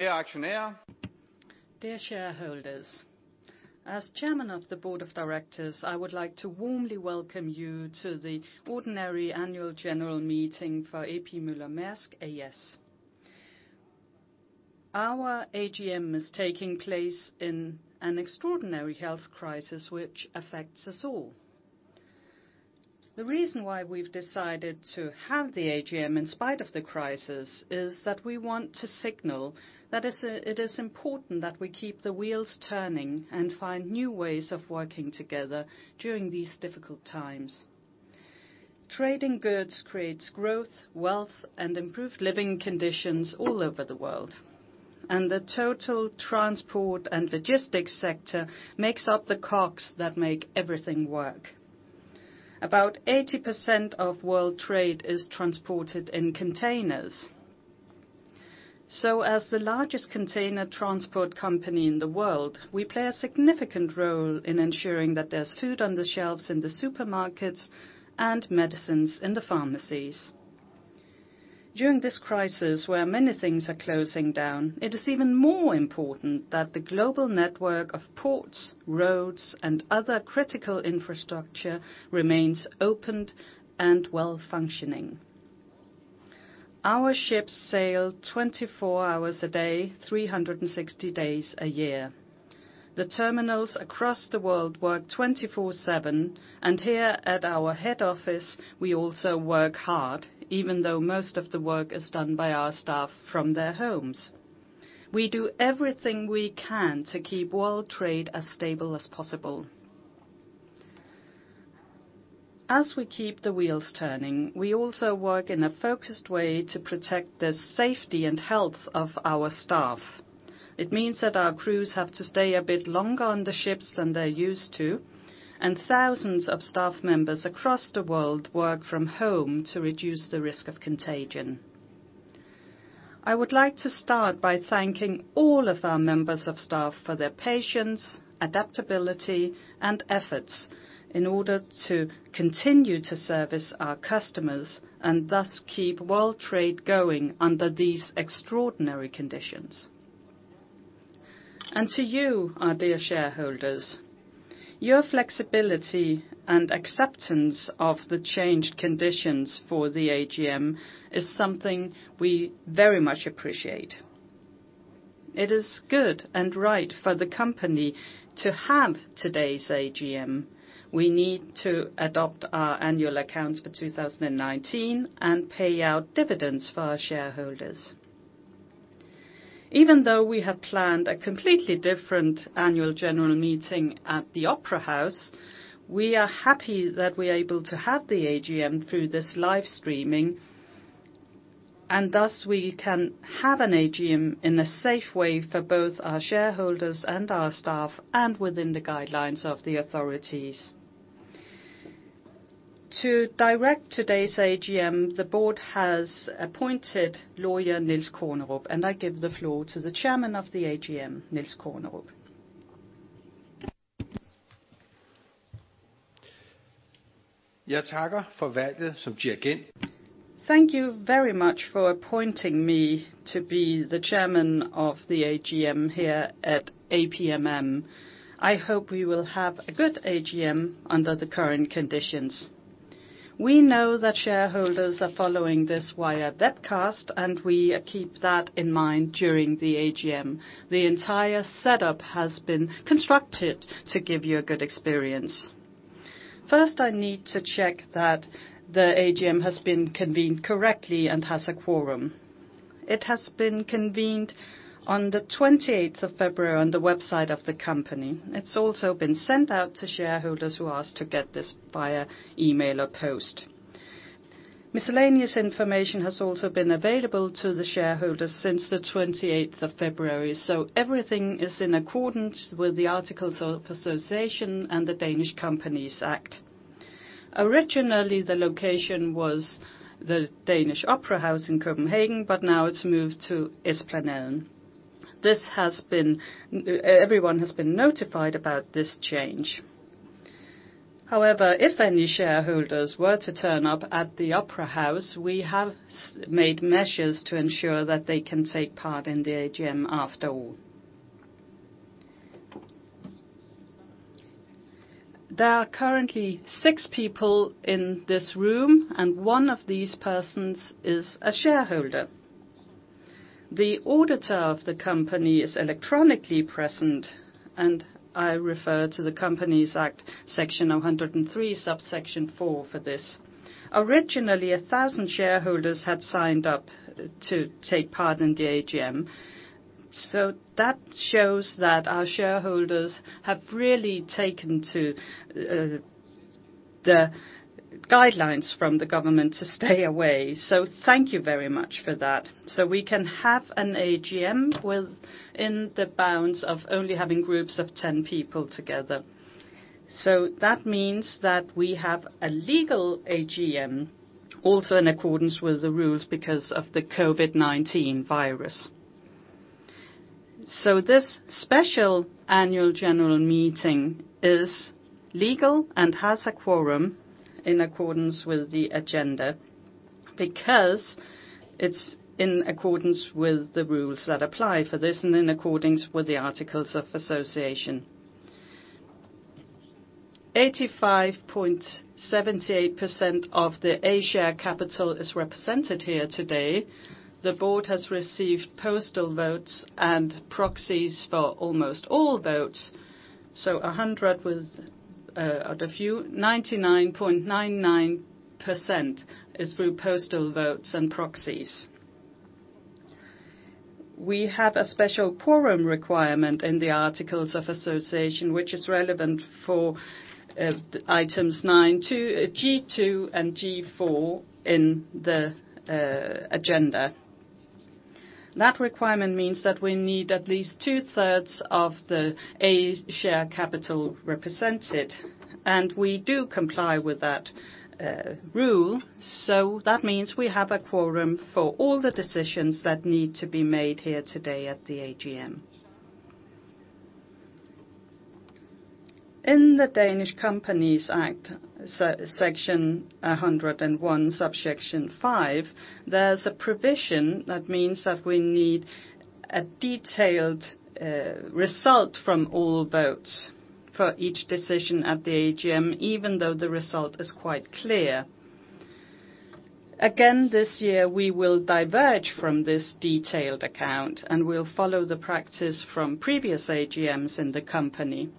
Dear shareholders. Dear shareholders. As Chairman of the Board of Directors, I would like to warmly welcome you to the ordinary annual general meeting for A.P. Møller - Mærsk A/S. Our AGM is taking place in an extraordinary health crisis, which affects us all. The reason why we've decided to have the AGM in spite of the crisis is that we want to signal that it is important that we keep the wheels turning and find new ways of working together during these difficult times. Trading goods creates growth, wealth, and improved living conditions all over the world. The total transport and logistics sector makes up the cogs that make everything work. About 80% of world trade is transported in containers. As the largest container transport company in the world, we play a significant role in ensuring that there's food on the shelves in the supermarkets and medicines in the pharmacies. During this crisis, where many things are closing down, it is even more important that the global network of ports, roads, and other critical infrastructure remains opened and well-functioning. Our ships sail 24 hours a day, 360 days a year. The terminals across the world work 24/7, and here at our head office, we also work hard, even though most of the work is done by our staff from their homes. We do everything we can to keep world trade as stable as possible. As we keep the wheels turning, we also work in a focused way to protect the safety and health of our staff. It means that our crews have to stay a bit longer on the ships than they're used to, and thousands of staff members across the world work from home to reduce the risk of contagion. I would like to start by thanking all of our members of staff for their patience, adaptability, and efforts in order to continue to service our customers and thus keep world trade going under these extraordinary conditions. To you, our dear shareholders, your flexibility and acceptance of the changed conditions for the AGM is something we very much appreciate. It is good and right for the company to have today's AGM. We need to adopt our annual accounts for 2019 and pay out dividends for our shareholders. Even though we have planned a completely different annual general meeting at the Opera House, we are happy that we're able to have the AGM through this live streaming, and thus we can have an AGM in a safe way for both our shareholders and our staff, and within the guidelines of the authorities. To direct today's AGM, the board has appointed lawyer Niels Kornerup. I give the floor to the Chairman of the AGM, Niels Kornerup. Thank you very much for appointing me to be the Chairman of the AGM here at APMM. I hope we will have a good AGM under the current conditions. We know that shareholders are following this via webcast. We keep that in mind during the AGM. The entire setup has been constructed to give you a good experience. First, I need to check that the AGM has been convened correctly and has a quorum. It has been convened on the 28th of February on the website of the company. It's also been sent out to shareholders who asked to get this via email or post. Miscellaneous information has also been available to the shareholders since the 28th of February. Everything is in accordance with the Articles of Association and the Danish Companies Act. Originally, the location was the Danish Opera House in Copenhagen, now it's moved to Esplanaden. Everyone has been notified about this change. However, if any shareholders were to turn up at the Opera House, we have made measures to ensure that they can take part in the AGM after all. There are currently six people in this room, one of these persons is a shareholder. The auditor of the company is electronically present. I refer to the Companies Act, Section 103, Subsection 4 for this. Originally, 1,000 shareholders had signed up to take part in the AGM. That shows that our shareholders have really taken to the guidelines from the government to stay away. Thank you very much for that. We can have an AGM within the bounds of only having groups of 10 people together. That means that we have a legal AGM, also in accordance with the rules because of the COVID-19 virus. So, this special annual general meeting is legal and has a quorum in accordance with the agenda, because it's in accordance with the rules that apply for this and in accordance with the Articles of Association. 85.78% of the A share capital is represented here today. The board has received postal votes and proxies for almost all votes. 99.99% is through postal votes and proxies. We have a special quorum requirement in the Articles of Association, which is relevant for items G2, and G4 in the agenda. That requirement means that we need at least two-thirds of the A share capital represented, and we do comply with that rule. That means we have a quorum for all the decisions that need to be made here today at the AGM. In the Danish Companies Act, Section 101, Subsection 5, there's a provision that means that we need a detailed result from all votes for each decision at the AGM, even though the result is quite clear. Again, this year, we will diverge from this detailed account, and we'll follow the practice from previous AGMs in the company.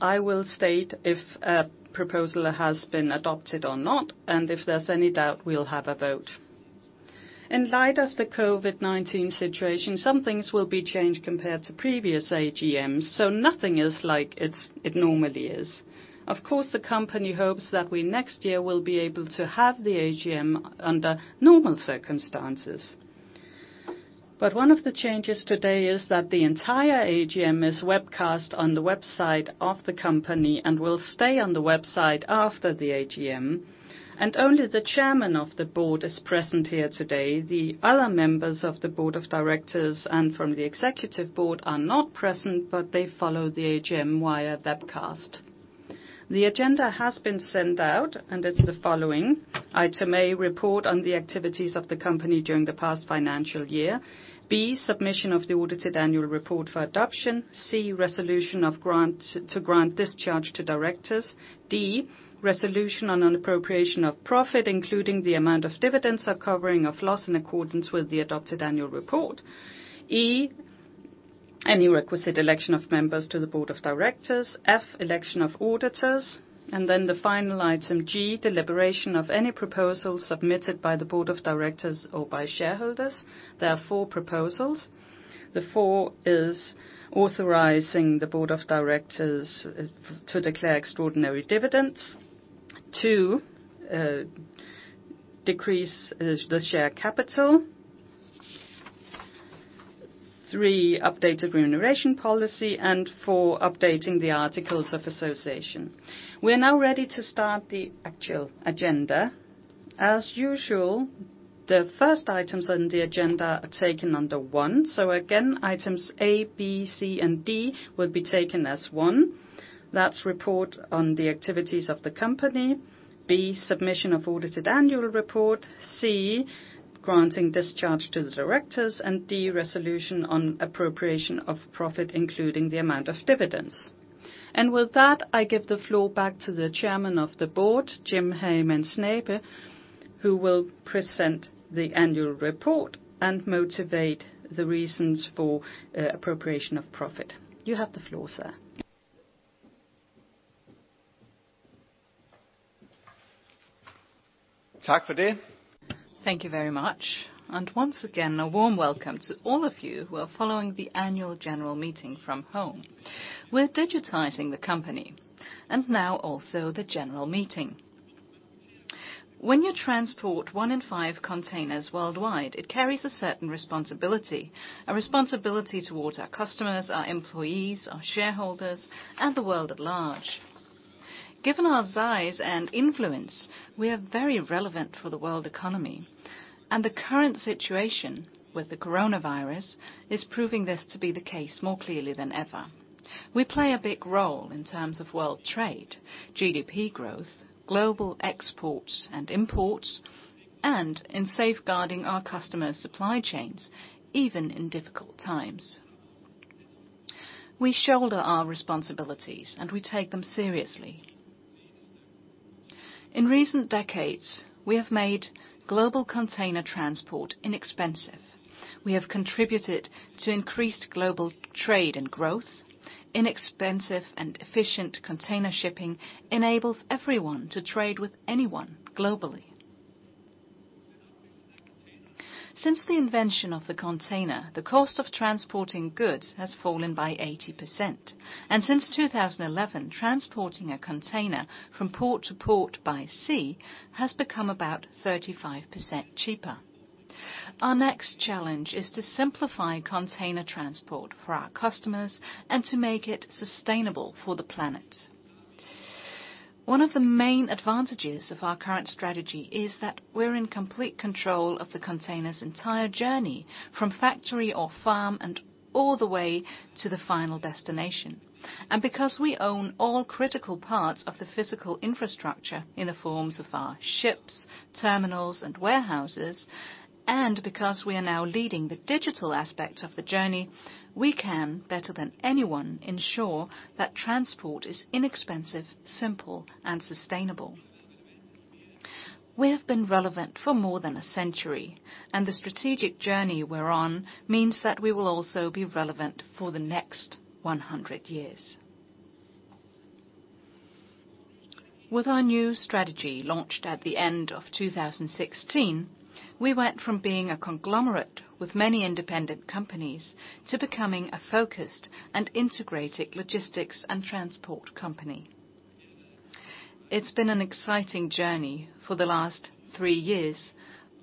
I will state if a proposal has been adopted or not, and if there's any doubt, we'll have a vote. In light of the COVID-19 situation, some things will be changed compared to previous AGMs, so nothing is like it normally is. Of course, the company hopes that we next year will be able to have the AGM under normal circumstances. One of the changes today is that the entire AGM is webcast on the website of the company and will stay on the website after the AGM, and only the Chairman of the Board is present here today. The other members of the board of directors and from the executive board are not present, but they follow the AGM via webcast. The agenda has been sent out. It's the following. Item A, report on the activities of the company during the past financial year. B, submission of the audited annual report for adoption. C, resolution to grant discharge to directors. D, resolution on an appropriation of profit, including the amount of dividends or covering of loss in accordance with the adopted annual report. E, any requisite election of members to the board of directors. F, election of auditors. The final item, G, deliberation of any proposals submitted by the board of directors or by shareholders. There are four proposals. The first is authorizing the board of directors to declare extraordinary dividends. Two, decrease the share capital. Three, update of remuneration policy. Four, updating the Articles of Association. We're now ready to start the actual agenda. As usual, the first items on the agenda are taken under one. Again, items A, B, C, and D will be taken as one. A, that's report on the activities of the company. B, submission of audited annual report. C, granting discharge to the directors. D, resolution on appropriation of profit, including the amount of dividends. With that, I give the floor back to the Chairman of the Board, Jim Hagemann Snabe, who will present the annual report and motivate the reasons for appropriation of profit. You have the floor, sir. Thank you very much. Once again, a warm welcome to all of you who are following the annual general meeting from home. We're digitizing the company, now also the general meeting. When you transport one in five containers worldwide, it carries a certain responsibility, a responsibility towards our customers, our employees, our shareholders, and the world at large. Given our size and influence, we are very relevant for the world economy, the current situation with the coronavirus is proving this to be the case more clearly than ever. We play a big role in terms of world trade, GDP growth, global exports and imports, in safeguarding our customers' supply chains, even in difficult times. We shoulder our responsibilities, we take them seriously. In recent decades, we have made global container transport inexpensive. We have contributed to increased global trade and growth. Inexpensive and efficient container shipping enables everyone to trade with anyone globally. Since the invention of the container, the cost of transporting goods has fallen by 80%. Since 2011, transporting a container from port to port by sea has become about 35% cheaper. Our next challenge is to simplify container transport for our customers and to make it sustainable for the planet. One of the main advantages of our current strategy is that we're in complete control of the container's entire journey, from factory or farm and all the way to the final destination. Because we own all critical parts of the physical infrastructure in the forms of our ships, terminals, and warehouses, and because we are now leading the digital aspect of the journey, we can better than anyone ensure that transport is inexpensive, simple, and sustainable. We have been relevant for more than a century, and the strategic journey we're on means that we will also be relevant for the next 100 years. With our new strategy launched at the end of 2016, we went from being a conglomerate with many independent companies to becoming a focused and integrated logistics and transport company. It's been an exciting journey for the last three years,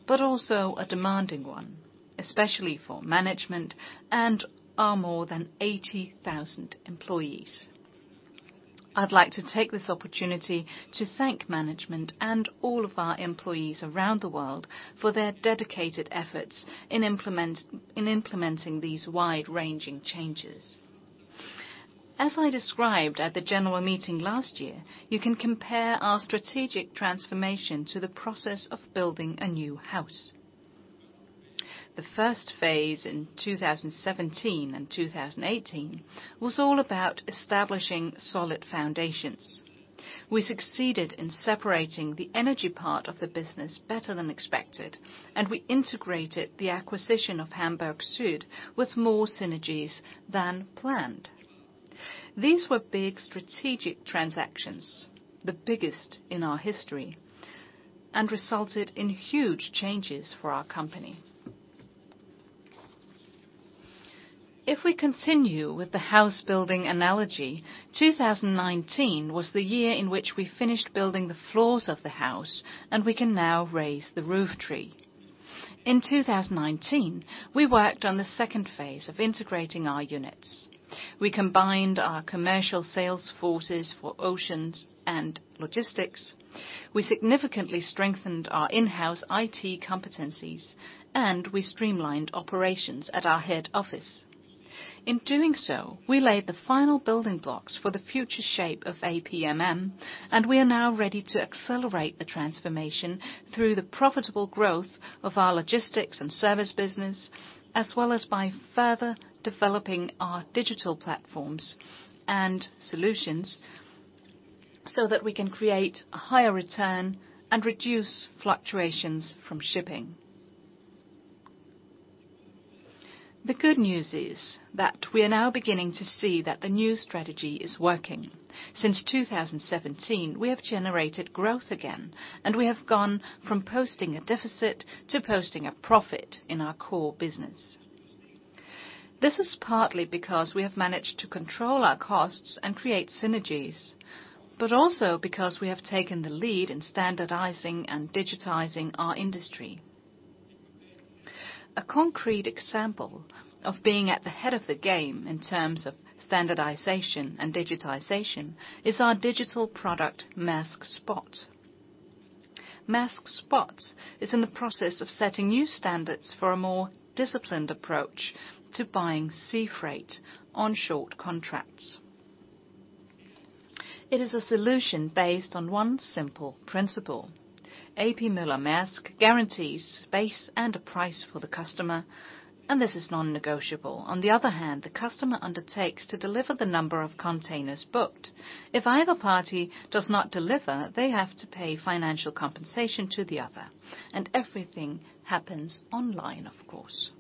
but also a demanding one, especially for management and our more than 80,000 employees. I'd like to take this opportunity to thank management and all of our employees around the world for their dedicated efforts in implementing these wide-ranging changes. As I described at the general meeting last year, you can compare our strategic transformation to the process of building a new house. The first phase in 2017 and 2018 was all about establishing solid foundations. We succeeded in separating the energy part of the business better than expected, and we integrated the acquisition of Hamburg Süd with more synergies than planned. These were big strategic transactions, the biggest in our history, and resulted in huge changes for our company. If we continue with the house-building analogy, 2019 was the year in which we finished building the floors of the house, and we can now raise the roof tree. In 2019, we worked on the second phase of integrating our units. We combined our commercial sales forces for oceans and logistics, we significantly strengthened our in-house IT competencies, and we streamlined operations at our head office. In doing so, we laid the final building blocks for the future shape of APMM. We are now ready to accelerate the transformation through the profitable growth of our logistics and service business, as well as by further developing our digital platforms and solutions so that we can create a higher return and reduce fluctuations from shipping. The good news is that we are now beginning to see that the new strategy is working. Since 2017, we have generated growth again. We have gone from posting a deficit to posting a profit in our core business. This is partly because we have managed to control our costs and create synergies, also because we have taken the lead in standardizing and digitizing our industry. A concrete example of being at the head of the game in terms of standardization and digitization is our digital product, Mærsk Spot. Mærsk Spot is in the process of setting new standards for a more disciplined approach to buying sea freight on short contracts. It is a solution based on one simple principle: A.P. Møller - Mærsk guarantees space and a price for the customer, and this is non-negotiable. On the other hand, the customer undertakes to deliver the number of containers booked. If either party does not deliver, they have to pay financial compensation to the other, and everything happens online, of course.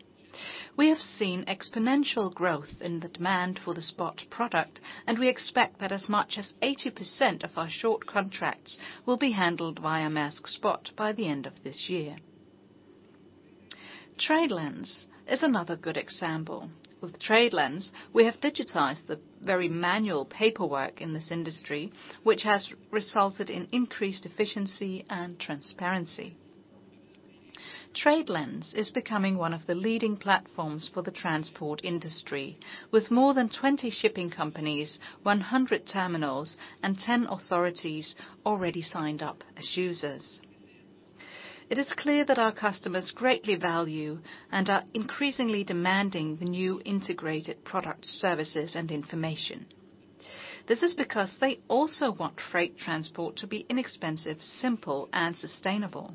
We have seen exponential growth in the demand for the Spot product, and we expect that as much as 80% of our short contracts will be handled via Mærsk Spot by the end of this year. TradeLens is another good example. With TradeLens, we have digitized the very manual paperwork in this industry, which has resulted in increased efficiency and transparency. TradeLens is becoming one of the leading platforms for the transport industry, with more than 20 shipping companies, 100 terminals, and 10 authorities already signed up as users. It is clear that our customers greatly value and are increasingly demanding the new integrated product services and information. This is because they also want freight transport to be inexpensive, simple, and sustainable.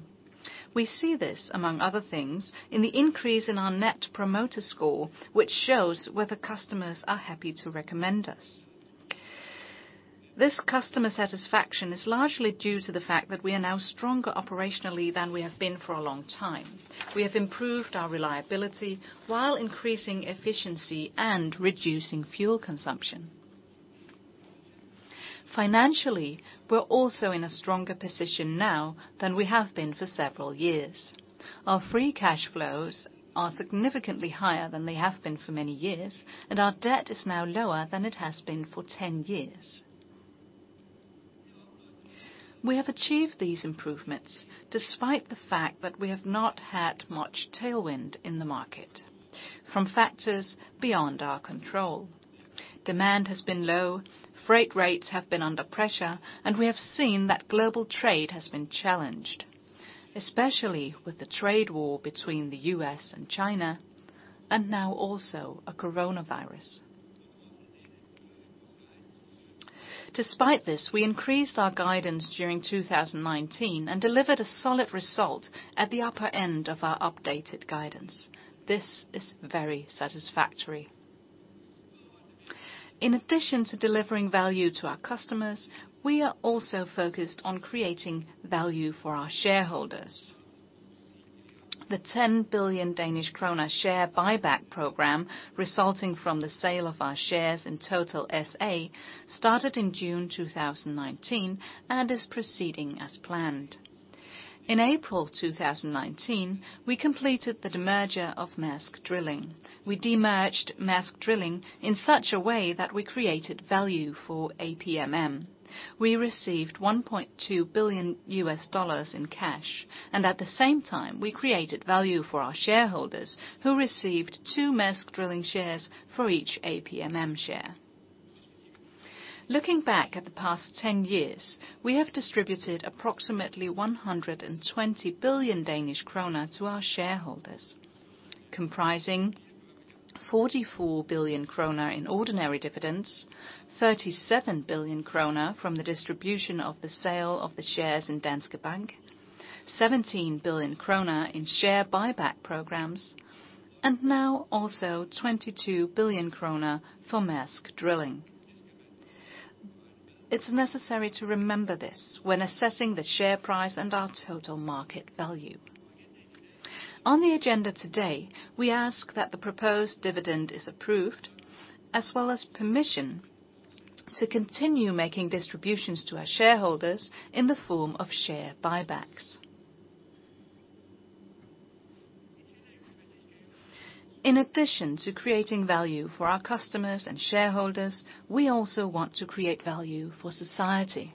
We see this, among other things, in the increase in our Net Promoter Score, which shows whether customers are happy to recommend us. This customer satisfaction is largely due to the fact that we are now stronger operationally than we have been for a long time. We have improved our reliability while increasing efficiency and reducing fuel consumption. Financially, we're also in a stronger position now than we have been for several years. Our free cash flows are significantly higher than they have been for many years, and our debt is now lower than it has been for 10 years. We have achieved these improvements despite the fact that we have not had much tailwind in the market from factors beyond our control. Demand has been low, freight rates have been under pressure, and we have seen that global trade has been challenged, especially with the trade war between the U.S. and China, and now also a coronavirus. Despite this, we increased our guidance during 2019 and delivered a solid result at the upper end of our updated guidance. This is very satisfactory. In addition to delivering value to our customers, we are also focused on creating value for our shareholders. The 10 billion Danish krone share buyback program, resulting from the sale of our shares in Total S.A., started in June 2019 and is proceeding as planned. In April 2019, we completed the demerger of Mærsk Drilling. We demerged Mærsk Drilling in such a way that we created value for APMM. We received $1.2 billion in cash, and at the same time, we created value for our shareholders, who received two Mærsk Drilling shares for each APMM share. Looking back at the past 10 years, we have distributed approximately 120 billion Danish kroner to our shareholders, comprising 44 billion kroner in ordinary dividends, 37 billion kroner from the distribution of the sale of the shares in Danske Bank, 17 billion kroner in share buyback programs, and now also 22 billion kroner for Mærsk Drilling. It's necessary to remember this when assessing the share price and our total market value. On the agenda today, we ask that the proposed dividend is approved, as well as permission to continue making distributions to our shareholders in the form of share buybacks. In addition to creating value for our customers and shareholders, we also want to create value for society.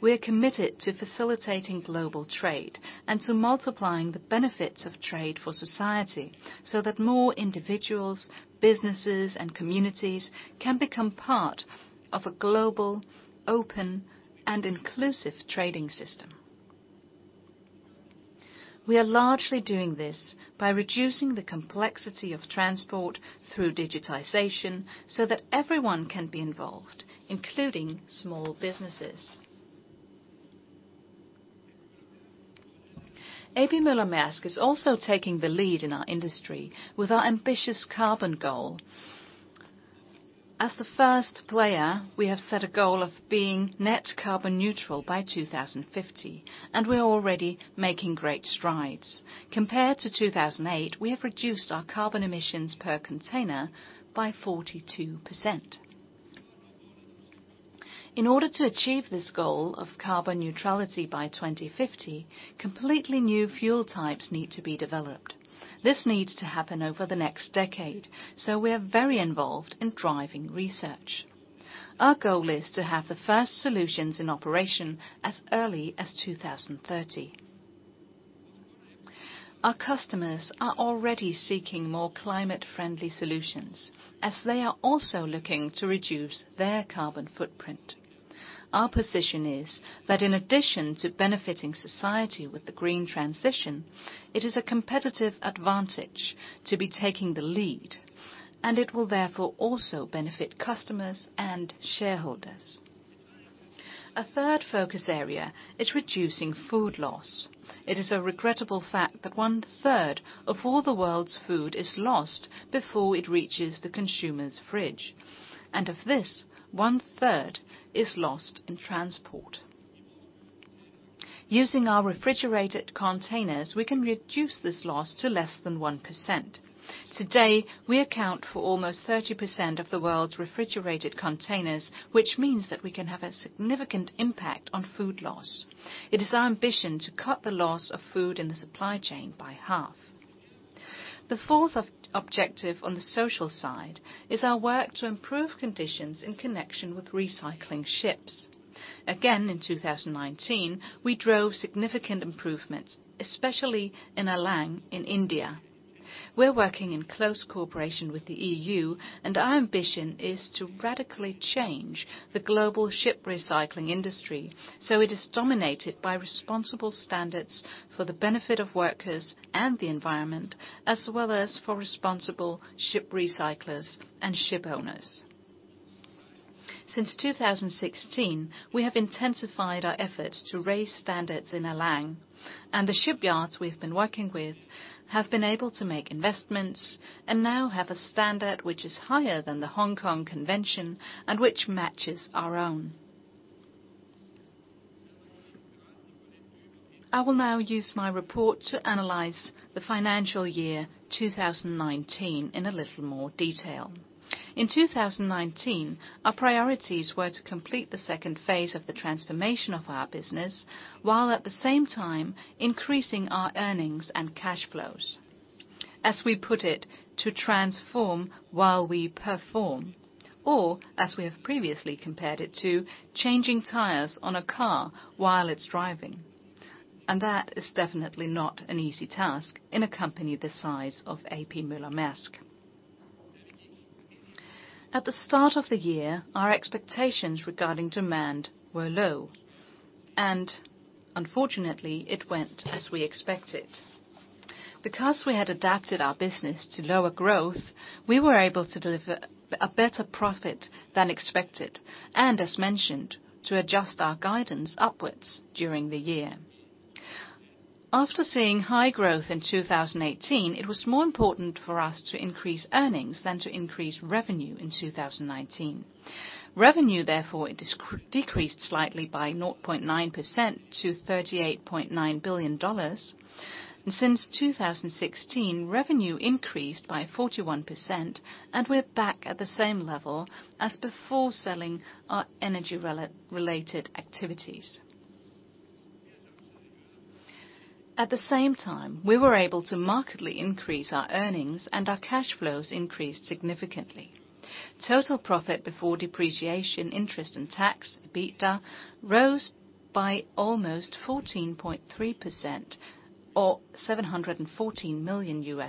We are committed to facilitating global trade and to multiplying the benefits of trade for society so that more individuals, businesses, and communities can become part of a global, open, and inclusive trading system. We are largely doing this by reducing the complexity of transport through digitization so that everyone can be involved, including small businesses. A.P. Møller - Mærsk is also taking the lead in our industry with our ambitious carbon goal. As the first player, we have set a goal of being net carbon neutral by 2050, and we are already making great strides. Compared to 2008, we have reduced our carbon emissions per container by 42%. In order to achieve this goal of carbon neutrality by 2050, completely new fuel types need to be developed. This needs to happen over the next decade. We are very involved in driving research. Our goal is to have the first solutions in operation as early as 2030. Our customers are already seeking more climate-friendly solutions, as they are also looking to reduce their carbon footprint. Our position is that in addition to benefiting society with the green transition, it is a competitive advantage to be taking the lead, and it will therefore also benefit customers and shareholders. A third focus area is reducing food loss. It is a regrettable fact that one third of all the world's food is lost before it reaches the consumer's fridge. Of this, one third is lost in transport. Using our refrigerated containers, we can reduce this loss to less than 1%. Today, we account for almost 30% of the world's refrigerated containers, which means that we can have a significant impact on food loss. It is our ambition to cut the loss of food in the supply chain by half. The fourth objective on the social side is our work to improve conditions in connection with recycling ships. Again, in 2019, we drove significant improvements, especially in Alang, in India. We're working in close cooperation with the EU, and our ambition is to radically change the global ship recycling industry so it is dominated by responsible standards for the benefit of workers and the environment, as well as for responsible ship recyclers and ship owners. Since 2016, we have intensified our efforts to raise standards in Alang, and the shipyards we've been working with have been able to make investments and now have a standard which is higher than the Hong Kong Convention and which matches our own. I will now use my report to analyze the financial year 2019 in a little more detail. In 2019, our priorities were to complete the second phase of the transformation of our business, while at the same time increasing our earnings and cash flows. As we put it, to transform while we perform, or as we have previously compared it to changing tires on a car while it's driving. That is definitely not an easy task in a company the size of A.P. Møller - Mærsk. At the start of the year, our expectations regarding demand were low, and unfortunately, it went as we expected. We had adapted our business to lower growth, we were able to deliver a better profit than expected, and as mentioned, to adjust our guidance upwards during the year. After seeing high growth in 2018, it was more important for us to increase earnings than to increase revenue in 2019. Revenue, therefore, decreased slightly by 0.9% to $38.9 billion. Since 2016, revenue increased by 41%, and we're back at the same level as before selling our energy-related activities. At the same time, we were able to markedly increase our earnings, and our cash flows increased significantly. Total profit before depreciation, interest, and tax, EBITDA, rose by almost 14.3%, or $714 million.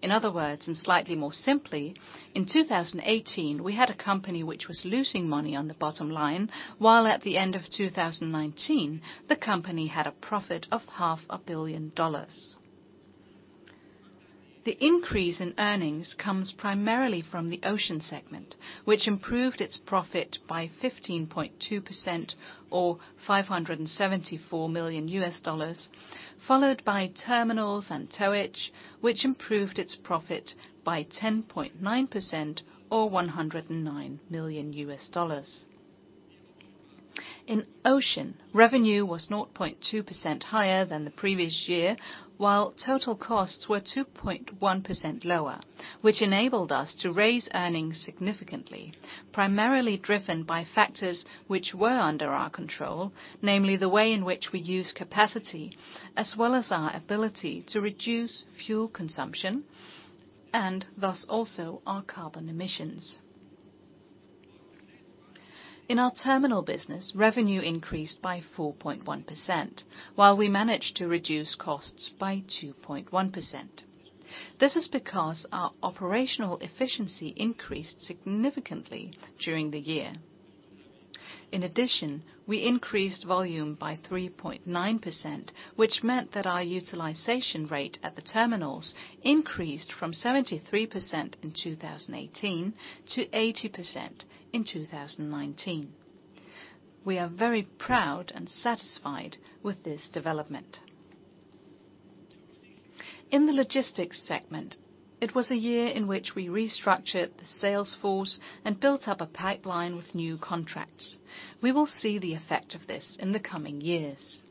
In other words, and slightly more simply, in 2018, we had a company which was losing money on the bottom line, while at the end of 2019, the company had a profit of $0.5 billion. The increase in earnings comes primarily from the Ocean segment, which improved its profit by 15.2%, or $574 million, followed by Terminals and Towage, which improved its profit by 10.9%, or $109 million. In Ocean, revenue was 0.2% higher than the previous year, while total costs were 2.1% lower, which enabled us to raise earnings significantly, primarily driven by factors which were under our control, namely the way in which we use capacity, as well as our ability to reduce fuel consumption, and thus also our carbon emissions. In our Terminal business, revenue increased by 4.1%, while we managed to reduce costs by 2.1%. This is because our operational efficiency increased significantly during the year. In addition, we increased volume by 3.9%, which meant that our utilization rate at the terminals increased from 73% in 2018 to 80% in 2019. We are very proud and satisfied with this development. In the Logistics segment, it was a year in which we restructured the sales force and built up a pipeline with new contracts. We will see the effect of this in the coming years.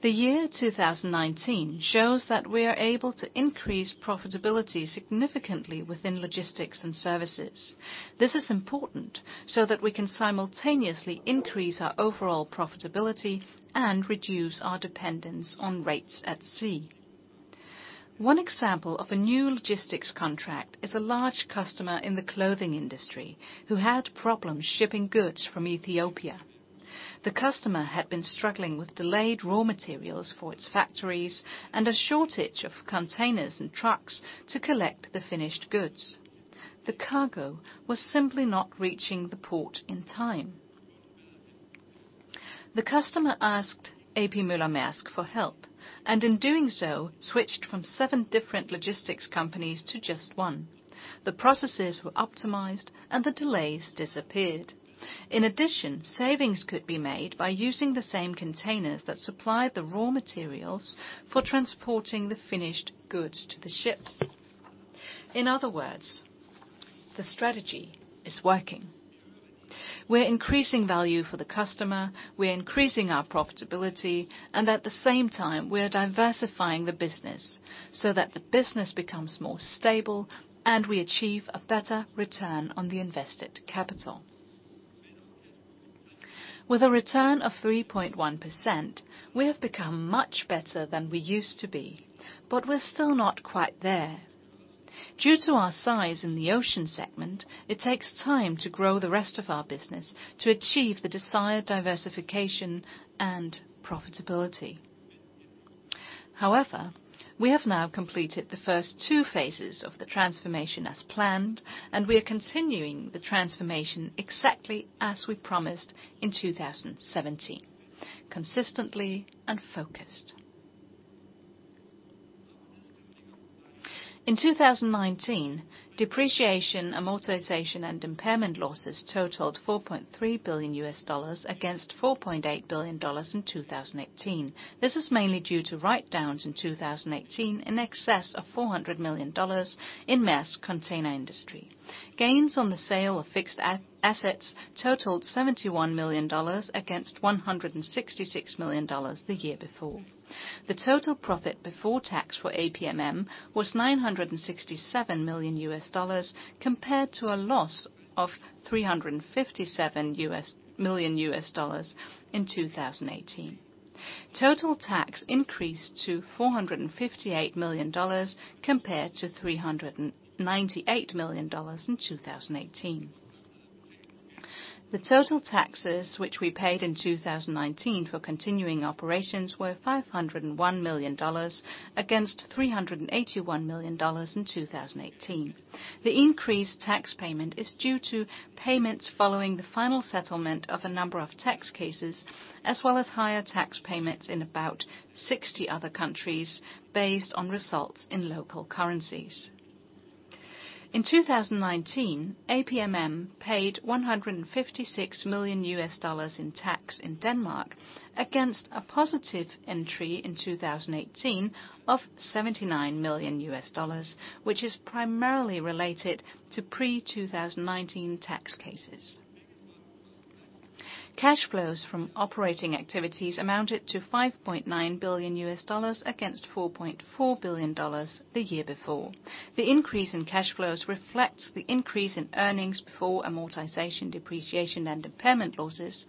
The year 2019 shows that we are able to increase profitability significantly within Logistics and Services. This is important so that we can simultaneously increase our overall profitability and reduce our dependence on rates at sea. One example of a new logistics contract is a large customer in the clothing industry who had problems shipping goods from Ethiopia. The customer had been struggling with delayed raw materials for its factories and a shortage of containers and trucks to collect the finished goods. The cargo was simply not reaching the port in time. The customer asked A.P. Møller-Mærsk for help, and in doing so, switched from seven different logistics companies to just one. The processes were optimized, and the delays disappeared. In addition, savings could be made by using the same containers that supplied the raw materials for transporting the finished goods to the ships. In other words, the strategy is working. We're increasing value for the customer, we're increasing our profitability, and at the same time, we are diversifying the business so that the business becomes more stable, and we achieve a better return on the invested capital. With a return of 3.1%, we have become much better than we used to be, but we're still not quite there. Due to our size in the Ocean segment, it takes time to grow the rest of our business to achieve the desired diversification and profitability. However, we have now completed the first two phases of the transformation as planned, and we are continuing the transformation exactly as we promised in 2017, consistently and focused. In 2019, depreciation, amortization, and impairment losses totaled $4.3 billion against $4.8 billion in 2018. This is mainly due to write-downs in 2018 in excess of $400 million in Mærsk Container Industry. Gains on the sale of fixed assets totaled $71 million against $166 million the year before. The total profit before tax for APMM was $967 million, compared to a loss of $357 million in 2018. Total tax increased to $458 million compared to $398 million in 2018. The total taxes which we paid in 2019 for continuing operations were $501 million, against $381 million in 2018. The increased tax payment is due to payments following the final settlement of a number of tax cases, as well as higher tax payments in about 60 other countries based on results in local currencies. In 2019, APMM paid $156 million in tax in Denmark against a positive entry in 2018 of $79 million, which is primarily related to pre-2019 tax cases. Cash flows from operating activities amounted to $5.9 billion against $4.4 billion the year before. The increase in cash flows reflects the increase in earnings before amortization, depreciation, and impairment losses,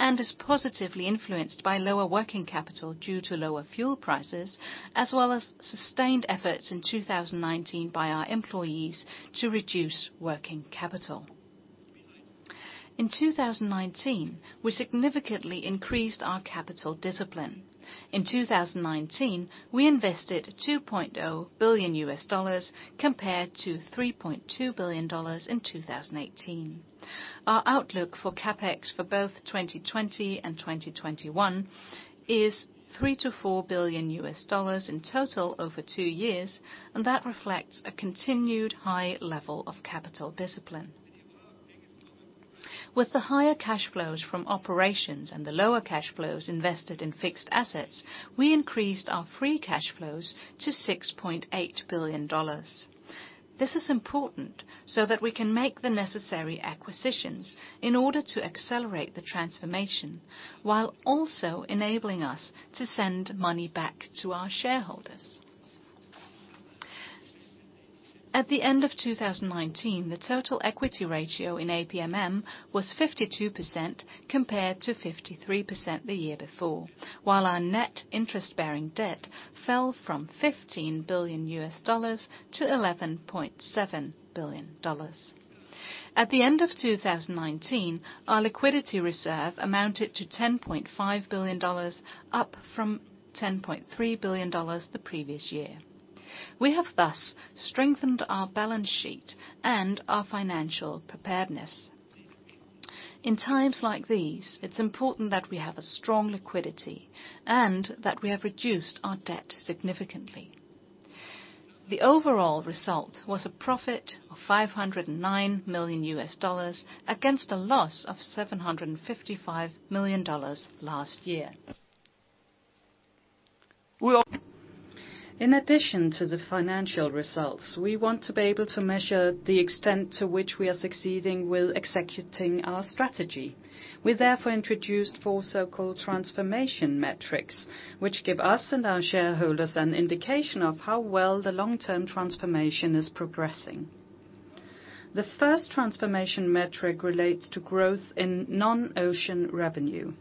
and is positively influenced by lower working capital due to lower fuel prices, as well as sustained efforts in 2019 by our employees to reduce working capital. In 2019, we significantly increased our capital discipline. In 2019, we invested $2.0 billion compared to $3.2 billion in 2018. Our outlook for CapEx for both 2020 and 2021 is $3 billion-$4 billion in total over two years. That reflects a continued high level of capital discipline. With the higher cash flows from operations and the lower cash flows invested in fixed assets, we increased our free cash flows to $6.8 billion. This is important so that we can make the necessary acquisitions in order to accelerate the transformation, while also enabling us to send money back to our shareholders. At the end of 2019, the total equity ratio in APMM was 52% compared to 53% the year before, while our net interest-bearing debt fell from $15 billion to $11.7 billion. At the end of 2019, our liquidity reserve amounted to $10.5 billion, up from $10.3 billion the previous year. We have thus strengthened our balance sheet and our financial preparedness. In times like these, it's important that we have a strong liquidity and that we have reduced our debt significantly. The overall result was a profit of $509 million against a loss of $755 million last year. In addition to the financial results, we want to be able to measure the extent to which we are succeeding with executing our strategy. We therefore introduced four so-called transformation metrics, which give us and our shareholders an indication of how well the long-term transformation is progressing. The first transformation metric relates to growth in non-ocean revenue,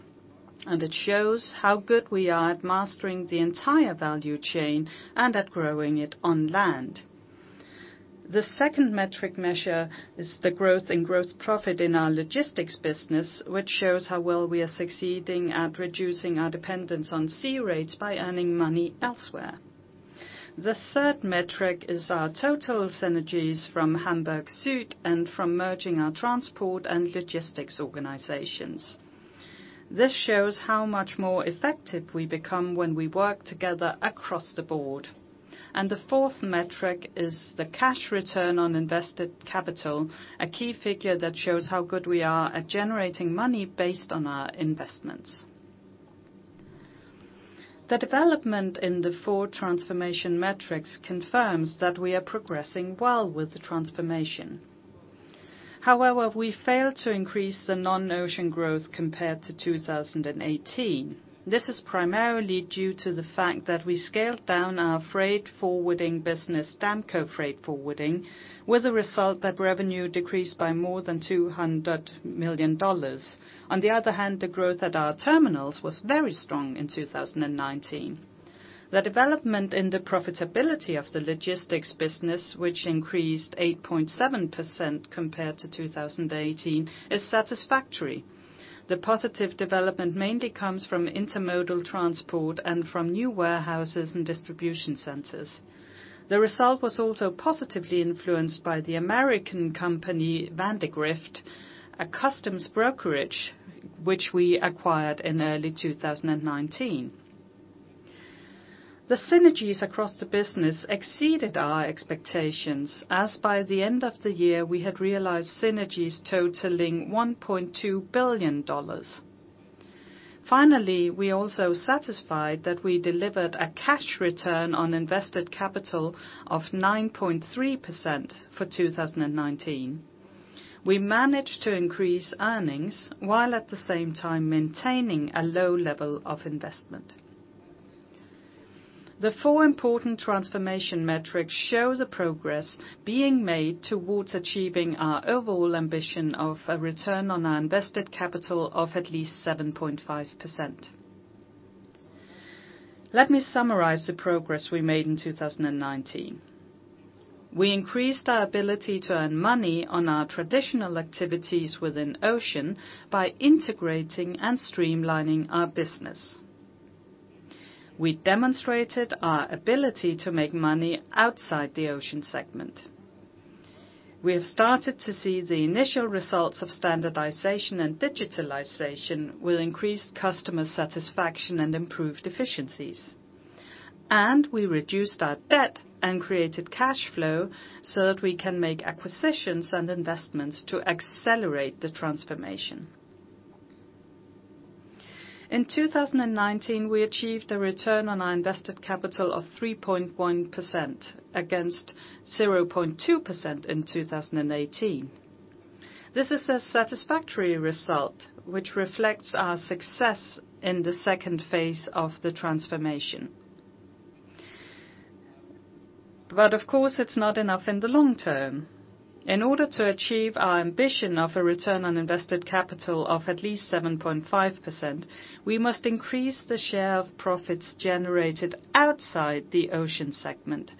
and it shows how good we are at mastering the entire value chain and at growing it on land. The second metric measure is the growth in gross profit in our logistics business, which shows how well we are succeeding at reducing our dependence on sea rates by earning money elsewhere. The third metric is our total synergies from Hamburg Süd and from merging our transport and logistics organizations. This shows how much more effective we become when we work together across the board. The fourth metric is the cash return on invested capital, a key figure that shows how good we are at generating money based on our investments. The development in the four transformation metrics confirms that we are progressing well with the transformation. However, we failed to increase the non-ocean growth compared to 2018. This is primarily due to the fact that we scaled down our freight forwarding business, Damco Freight Forwarding, with the result that revenue decreased by more than $200 million. On the other hand, the growth at our terminals was very strong in 2019. The development in the profitability of the logistics business, which increased 8.7% compared to 2018, is satisfactory. The positive development mainly comes from intermodal transport and from new warehouses and distribution centers. The result was also positively influenced by the American company, Vandegrift, a customs brokerage which we acquired in early 2019. The synergies across the business exceeded our expectations as by the end of the year, we had realized synergies totaling $1.2 billion. Finally, we are also satisfied that we delivered a cash return on invested capital of 9.3% for 2019. We managed to increase earnings while at the same time maintaining a low level of investment. The four important transformation metrics show the progress being made towards achieving our overall ambition of a return on our invested capital of at least 7.5%. Let me summarize the progress we made in 2019. We increased our ability to earn money on our traditional activities within Ocean by integrating and streamlining our business. We demonstrated our ability to make money outside the Ocean segment. We have started to see the initial results of standardization and digitalization will increase customer satisfaction and improve efficiencies. We reduced our debt and created cash flow so that we can make acquisitions and investments to accelerate the transformation. In 2019, we achieved a return on our invested capital of 3.1% against 0.2% in 2018. This is a satisfactory result, which reflects our success in the second phase of the transformation. Of course, it's not enough in the long term. In order to achieve our ambition of a return on invested capital of at least 7.5%, we must increase the share of profits generated outside the Ocean segment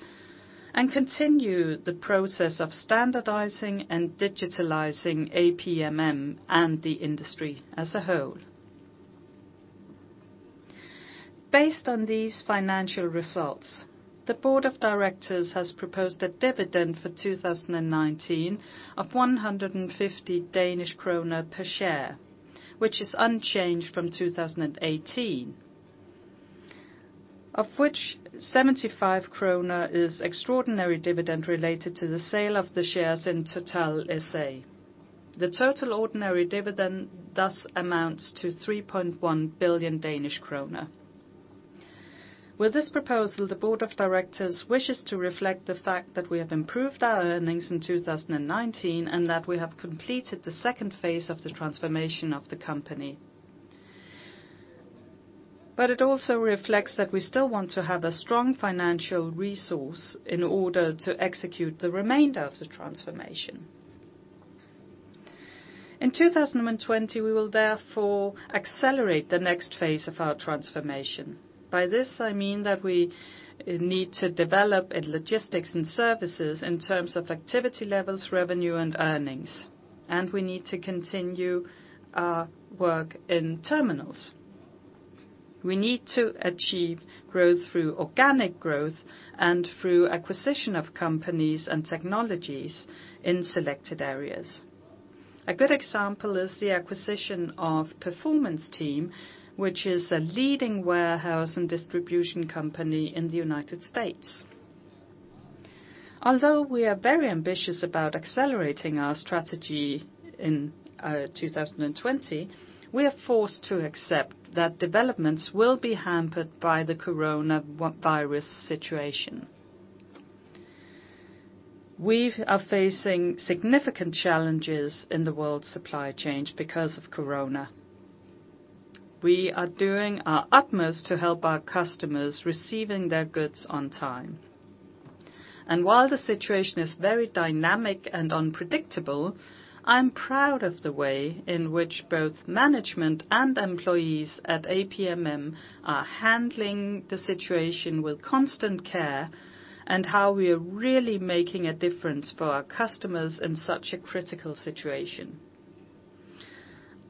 and continue the process of standardizing and digitalizing APMM and the industry as a whole. Based on these financial results, the board of directors has proposed a dividend for 2019 of 150 Danish kroner per share, which is unchanged from 2018, of which 75 krone is extraordinary dividend related to the sale of the shares in Total S.A. The total ordinary dividend thus amounts to 3.1 billion Danish kroner. With this proposal, the board of directors wishes to reflect the fact that we have improved our earnings in 2019, and that we have completed the second phase of the transformation of the company. It also reflects that we still want to have a strong financial resource in order to execute the remainder of the transformation. In 2020, we will therefore accelerate the next phase of our transformation. By this, I mean that we need to develop in logistics and services in terms of activity levels, revenue, and earnings, and we need to continue our work in terminals. We need to achieve growth through organic growth and through acquisition of companies and technologies in selected areas. A good example is the acquisition of Performance Team, which is a leading warehouse and distribution company in the United States. Although we are very ambitious about accelerating our strategy in 2020, we are forced to accept that developments will be hampered by the coronavirus situation. We are facing significant challenges in the world supply chains because of corona. We are doing our utmost to help our customers receive their goods on time. While the situation is very dynamic and unpredictable, I'm proud of the way in which both management and employees at APMM are handling the situation with constant care, and how we are really making a difference for our customers in such a critical situation.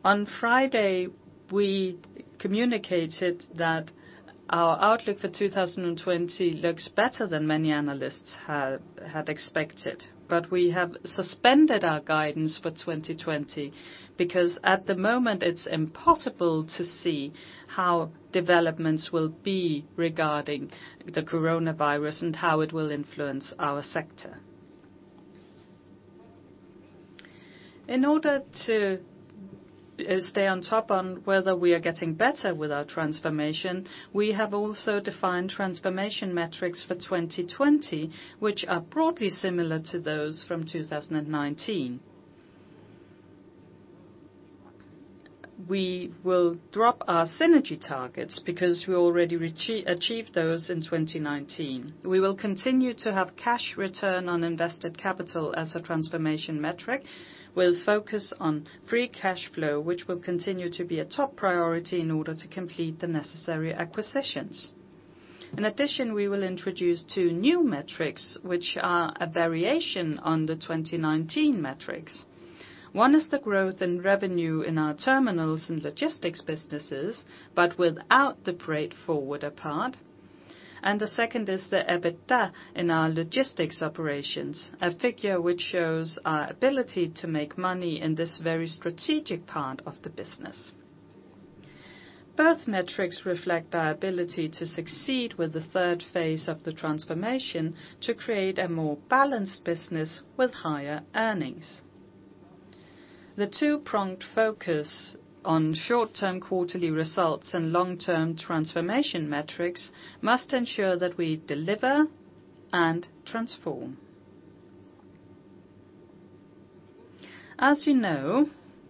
On Friday, we communicated that our outlook for 2020 looks better than many analysts had expected, but we have suspended our guidance for 2020, because at the moment it's impossible to see how developments will be regarding the coronavirus and how it will influence our sector. In order to stay on top on whether we are getting better with our transformation, we have also defined transformation metrics for 2020, which are broadly similar to those from 2019. We will drop our synergy targets because we already achieved those in 2019. We will continue to have cash return on invested capital as a transformation metric. We'll focus on free cash flow, which will continue to be a top priority in order to complete the necessary acquisitions. In addition, we will introduce two new metrics, which are a variation on the 2019 metrics. One is the growth in revenue in our terminals and logistics businesses, but without the freight forwarder part. The second is the EBITDA in our logistics operations, a figure which shows our ability to make money in this very strategic part of the business. Both metrics reflect our ability to succeed with the third phase of the transformation to create a more balanced business with higher earnings. The two-pronged focus on short-term quarterly results and long-term transformation metrics must ensure that we deliver and transform. As you know,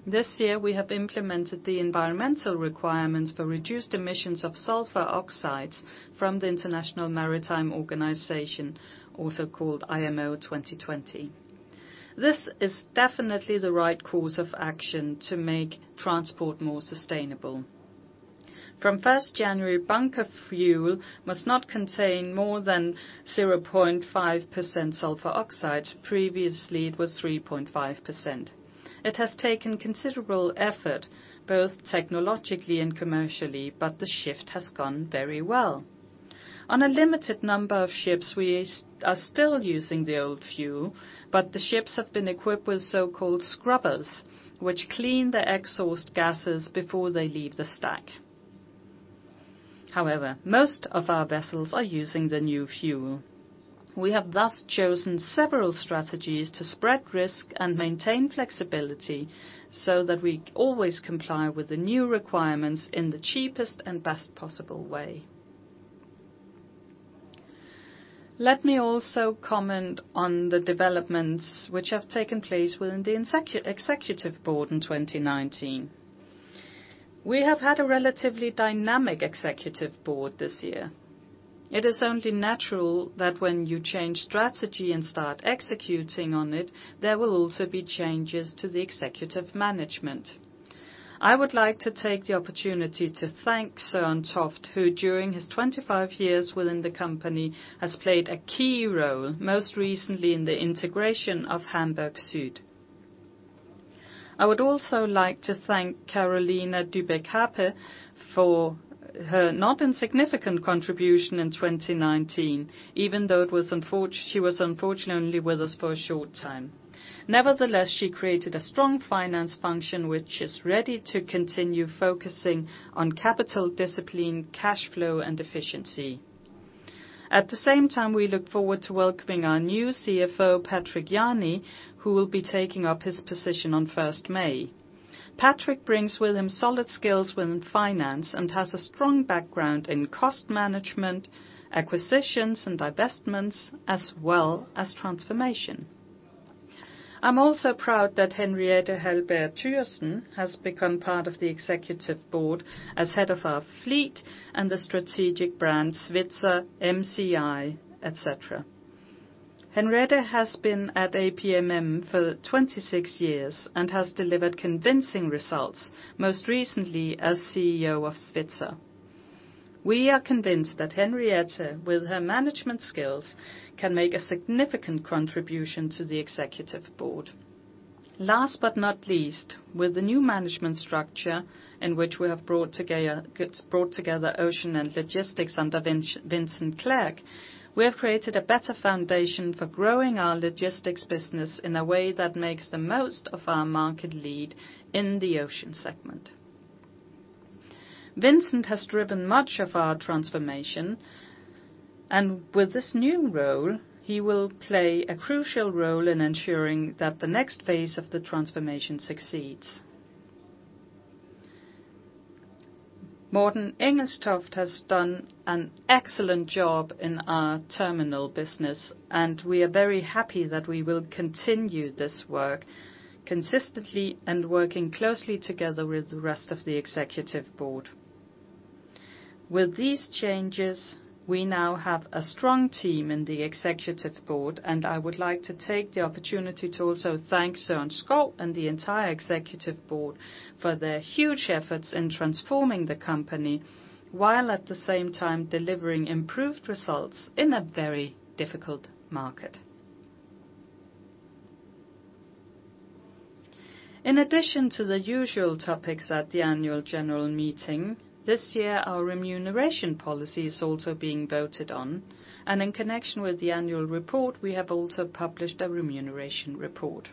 this year we have implemented the environmental requirements for reduced emissions of sulfur oxides from the International Maritime Organization, also called IMO 2020. This is definitely the right course of action to make transport more sustainable. From 1st January, bunker fuel must not contain more than 0.5% sulfur oxide. Previously, it was 3.5%. It has taken considerable effort, both technologically and commercially, but the shift has gone very well. On a limited number of ships, we are still using the old fuel, but the ships have been equipped with so-called scrubbers, which clean the exhaust gases before they leave the stack. However, most of our vessels are using the new fuel. We have thus chosen several strategies to spread risk and maintain flexibility so that we always comply with the new requirements in the cheapest and best possible way. Let me also comment on the developments which have taken place within the Executive Board in 2019. We have had a relatively dynamic Executive Board this year. It is only natural that when you change strategy and start executing on it, there will also be changes to the executive management. I would like to take the opportunity to thank Søren Toft, who during his 25 years within the company, has played a key role, most recently in the integration of Hamburg Süd. I would also like to thank Carolina Dybeck Happe for her not insignificant contribution in 2019, even though she was unfortunately only with us for a short time. Nevertheless, she created a strong finance function which is ready to continue focusing on capital discipline, cash flow, and efficiency. At the same time, we look forward to welcoming our new CFO, Patrick Jany, who will be taking up his position on 1st May. Patrick brings with him solid skills within finance and has a strong background in cost management, acquisitions, and divestments, as well as transformation. I am also proud that Henriette Hallberg Thygesen has become part of the Executive Board as head of our fleet and the strategic brands Svitzer, MCI, et cetera. Henriette has been at APMM for 26 years and has delivered convincing results, most recently as CEO of Svitzer. We are convinced that Henriette, with her management skills, can make a significant contribution to the Executive Board. Last but not least, with the new management structure in which we have brought together Ocean and Logistics under Vincent Clerc, we have created a better foundation for growing our logistics business in a way that makes the most of our market lead in the ocean segment. Vincent has driven much of our transformation, and with this new role, he will play a crucial role in ensuring that the next phase of the transformation succeeds. Morten Engelstoft has done an excellent job in our terminal business, and we are very happy that we will continue this work consistently and working closely together with the rest of the executive board. With these changes, we now have a strong team in the Executive Board, and I would like to take the opportunity to also thank Søren Skou and the entire Executive Board for their huge efforts in transforming the company, while at the same time delivering improved results in a very difficult market. In addition to the usual topics at the annual general meeting, this year our remuneration policy is also being voted on. In connection with the annual report, we have also published a remuneration report.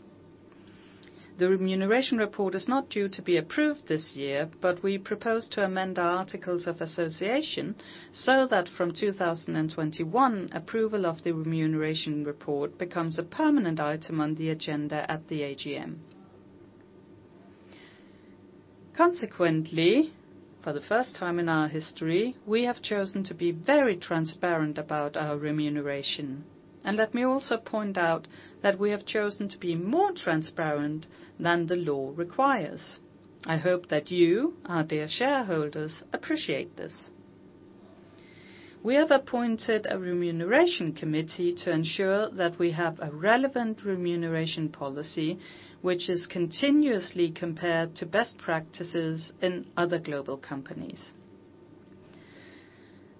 The remuneration report is not due to be approved this year. We propose to amend our Articles of Association so that from 2021, approval of the remuneration report becomes a permanent item on the agenda at the AGM. Consequently, for the first time in our history, we have chosen to be very transparent about our remuneration, and let me also point out that we have chosen to be more transparent than the law requires. I hope that you, our dear shareholders, appreciate this. We have appointed a remuneration committee to ensure that we have a relevant remuneration policy, which is continuously compared to best practices in other global companies.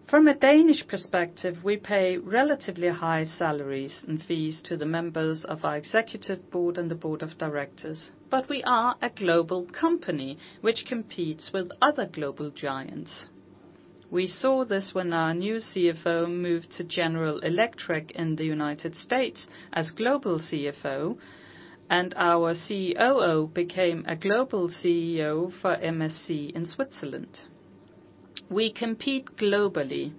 From a Danish perspective, we pay relatively high salaries and fees to the members of our executive board and the board of directors, but we are a global company which competes with other global giants. We saw this when our new CFO moved to General Electric in the United States as Global CFO and our COO became a global CEO for MSC in Switzerland. We compete globally,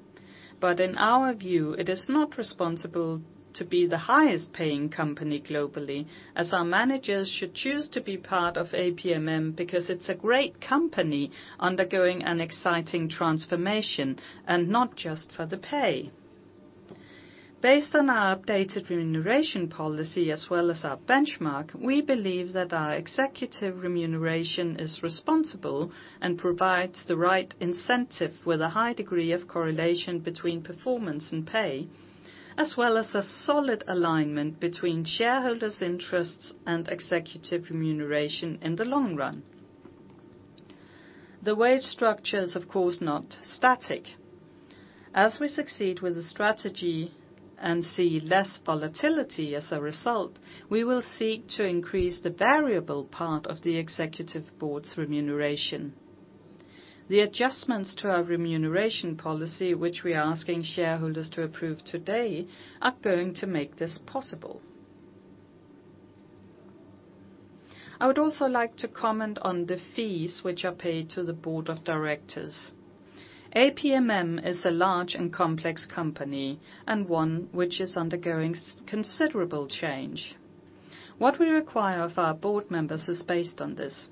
but in our view, it is not responsible to be the highest paying company globally, as our managers should choose to be part of APMM because it's a great company undergoing an exciting transformation and not just for the pay. Based on our updated remuneration policy as well as our benchmark, we believe that our executive remuneration is responsible and provides the right incentive with a high degree of correlation between performance and pay, as well as a solid alignment between shareholders' interests and executive remuneration in the long run. The wage structure is, of course, not static. As we succeed with the strategy and see less volatility as a result, we will seek to increase the variable part of the executive board's remuneration. The adjustments to our remuneration policy, which we are asking shareholders to approve today, are going to make this possible. I would also like to comment on the fees which are paid to the board of directors. APMM is a large and complex company, and one which is undergoing considerable change. What we require of our board members is based on this,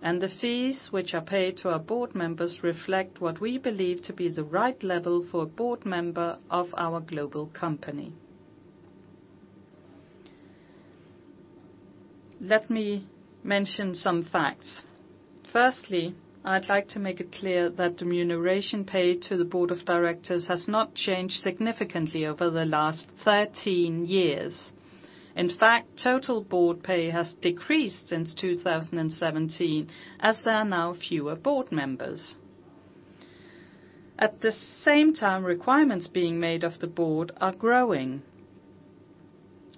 and the fees which are paid to our board members reflect what we believe to be the right level for a board member of our global company. Let me mention some facts. Firstly, I'd like to make it clear that remuneration paid to the board of directors has not changed significantly over the last 13 years. In fact, total board pay has decreased since 2017, as there are now fewer board members. At the same time, requirements being made of the board are growing,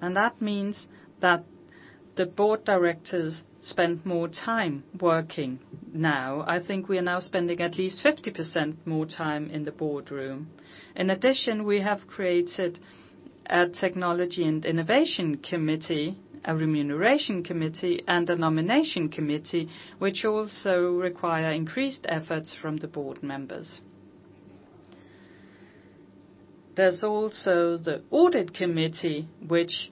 and that means that the board directors spend more time working now. I think we are now spending at least 50% more time in the boardroom. In addition, we have created a technology and innovation committee, a remuneration committee, and a nomination committee, which also require increased efforts from the board members. There is also the audit committee, which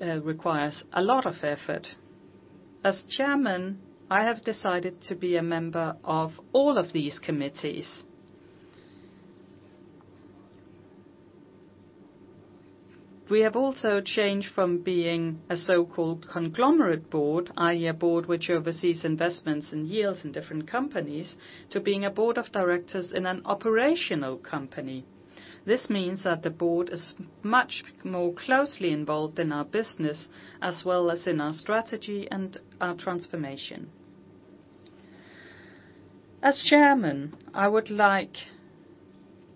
requires a lot of effort. As Chairman, I have decided to be a member of all of these committees. We have also changed from being a so-called conglomerate board, i.e., a board which oversees investments and yields in different companies, to being a board of directors in an operational company. This means that the board is much more closely involved in our business as well as in our strategy and our transformation. As Chairman, I would like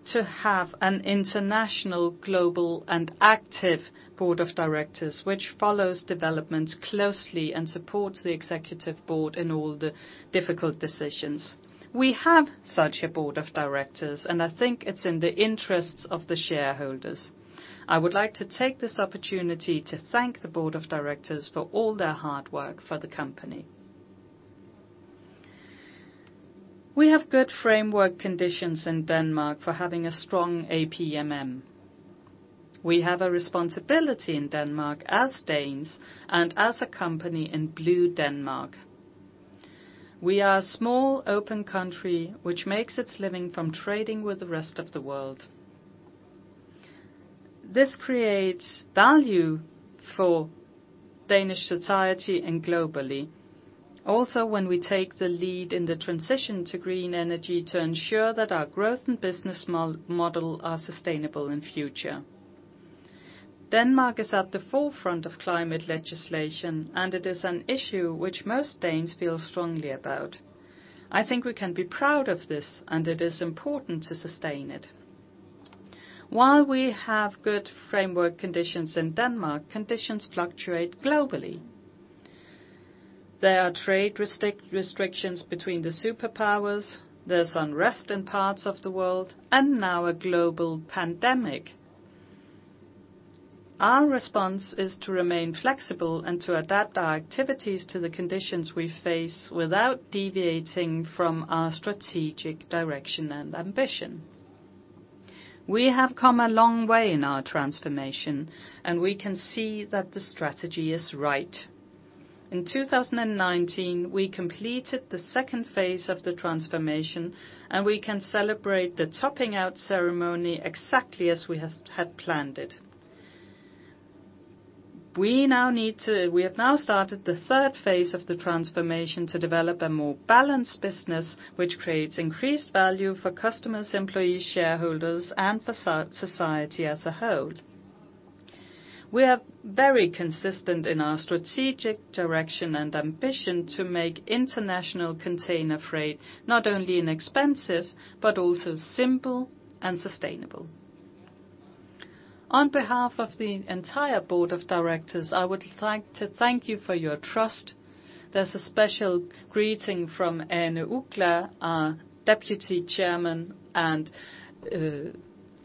to have an international, global, and active board of directors which follows developments closely and supports the executive board in all the difficult decisions. We have such a board of directors, and I think it's in the interests of the shareholders. I would like to take this opportunity to thank the board of directors for all their hard work for the company. We have good framework conditions in Denmark for having a strong APMM. We have a responsibility in Denmark as Danes and as a company in Blue Denmark. We are a small, open country which makes its living from trading with the rest of the world. This creates value for Danish society and globally. Also, when we take the lead in the transition to green energy to ensure that our growth and business model are sustainable in future. Denmark is at the forefront of climate legislation, and it is an issue which most Danes feel strongly about. I think we can be proud of this, and it is important to sustain it. While we have good framework conditions in Denmark, conditions fluctuate globally. There are trade restrictions between the superpowers, there's unrest in parts of the world, and now a global pandemic. Our response is to remain flexible and to adapt our activities to the conditions we face without deviating from our strategic direction and ambition. We have come a long way in our transformation, and we can see that the strategy is right. In 2019, we completed the second phase of the transformation, and we can celebrate the topping out ceremony exactly as we had planned it. We have now started the third phase of the transformation to develop a more balanced business which creates increased value for customers, employees, shareholders, and for society as a whole. We are very consistent in our strategic direction and ambition to make international container freight not only inexpensive, but also simple and sustainable. On behalf of the entire board of directors, I would like to thank you for your trust. There's a special greeting from Ane Uggla, our Deputy Chairman and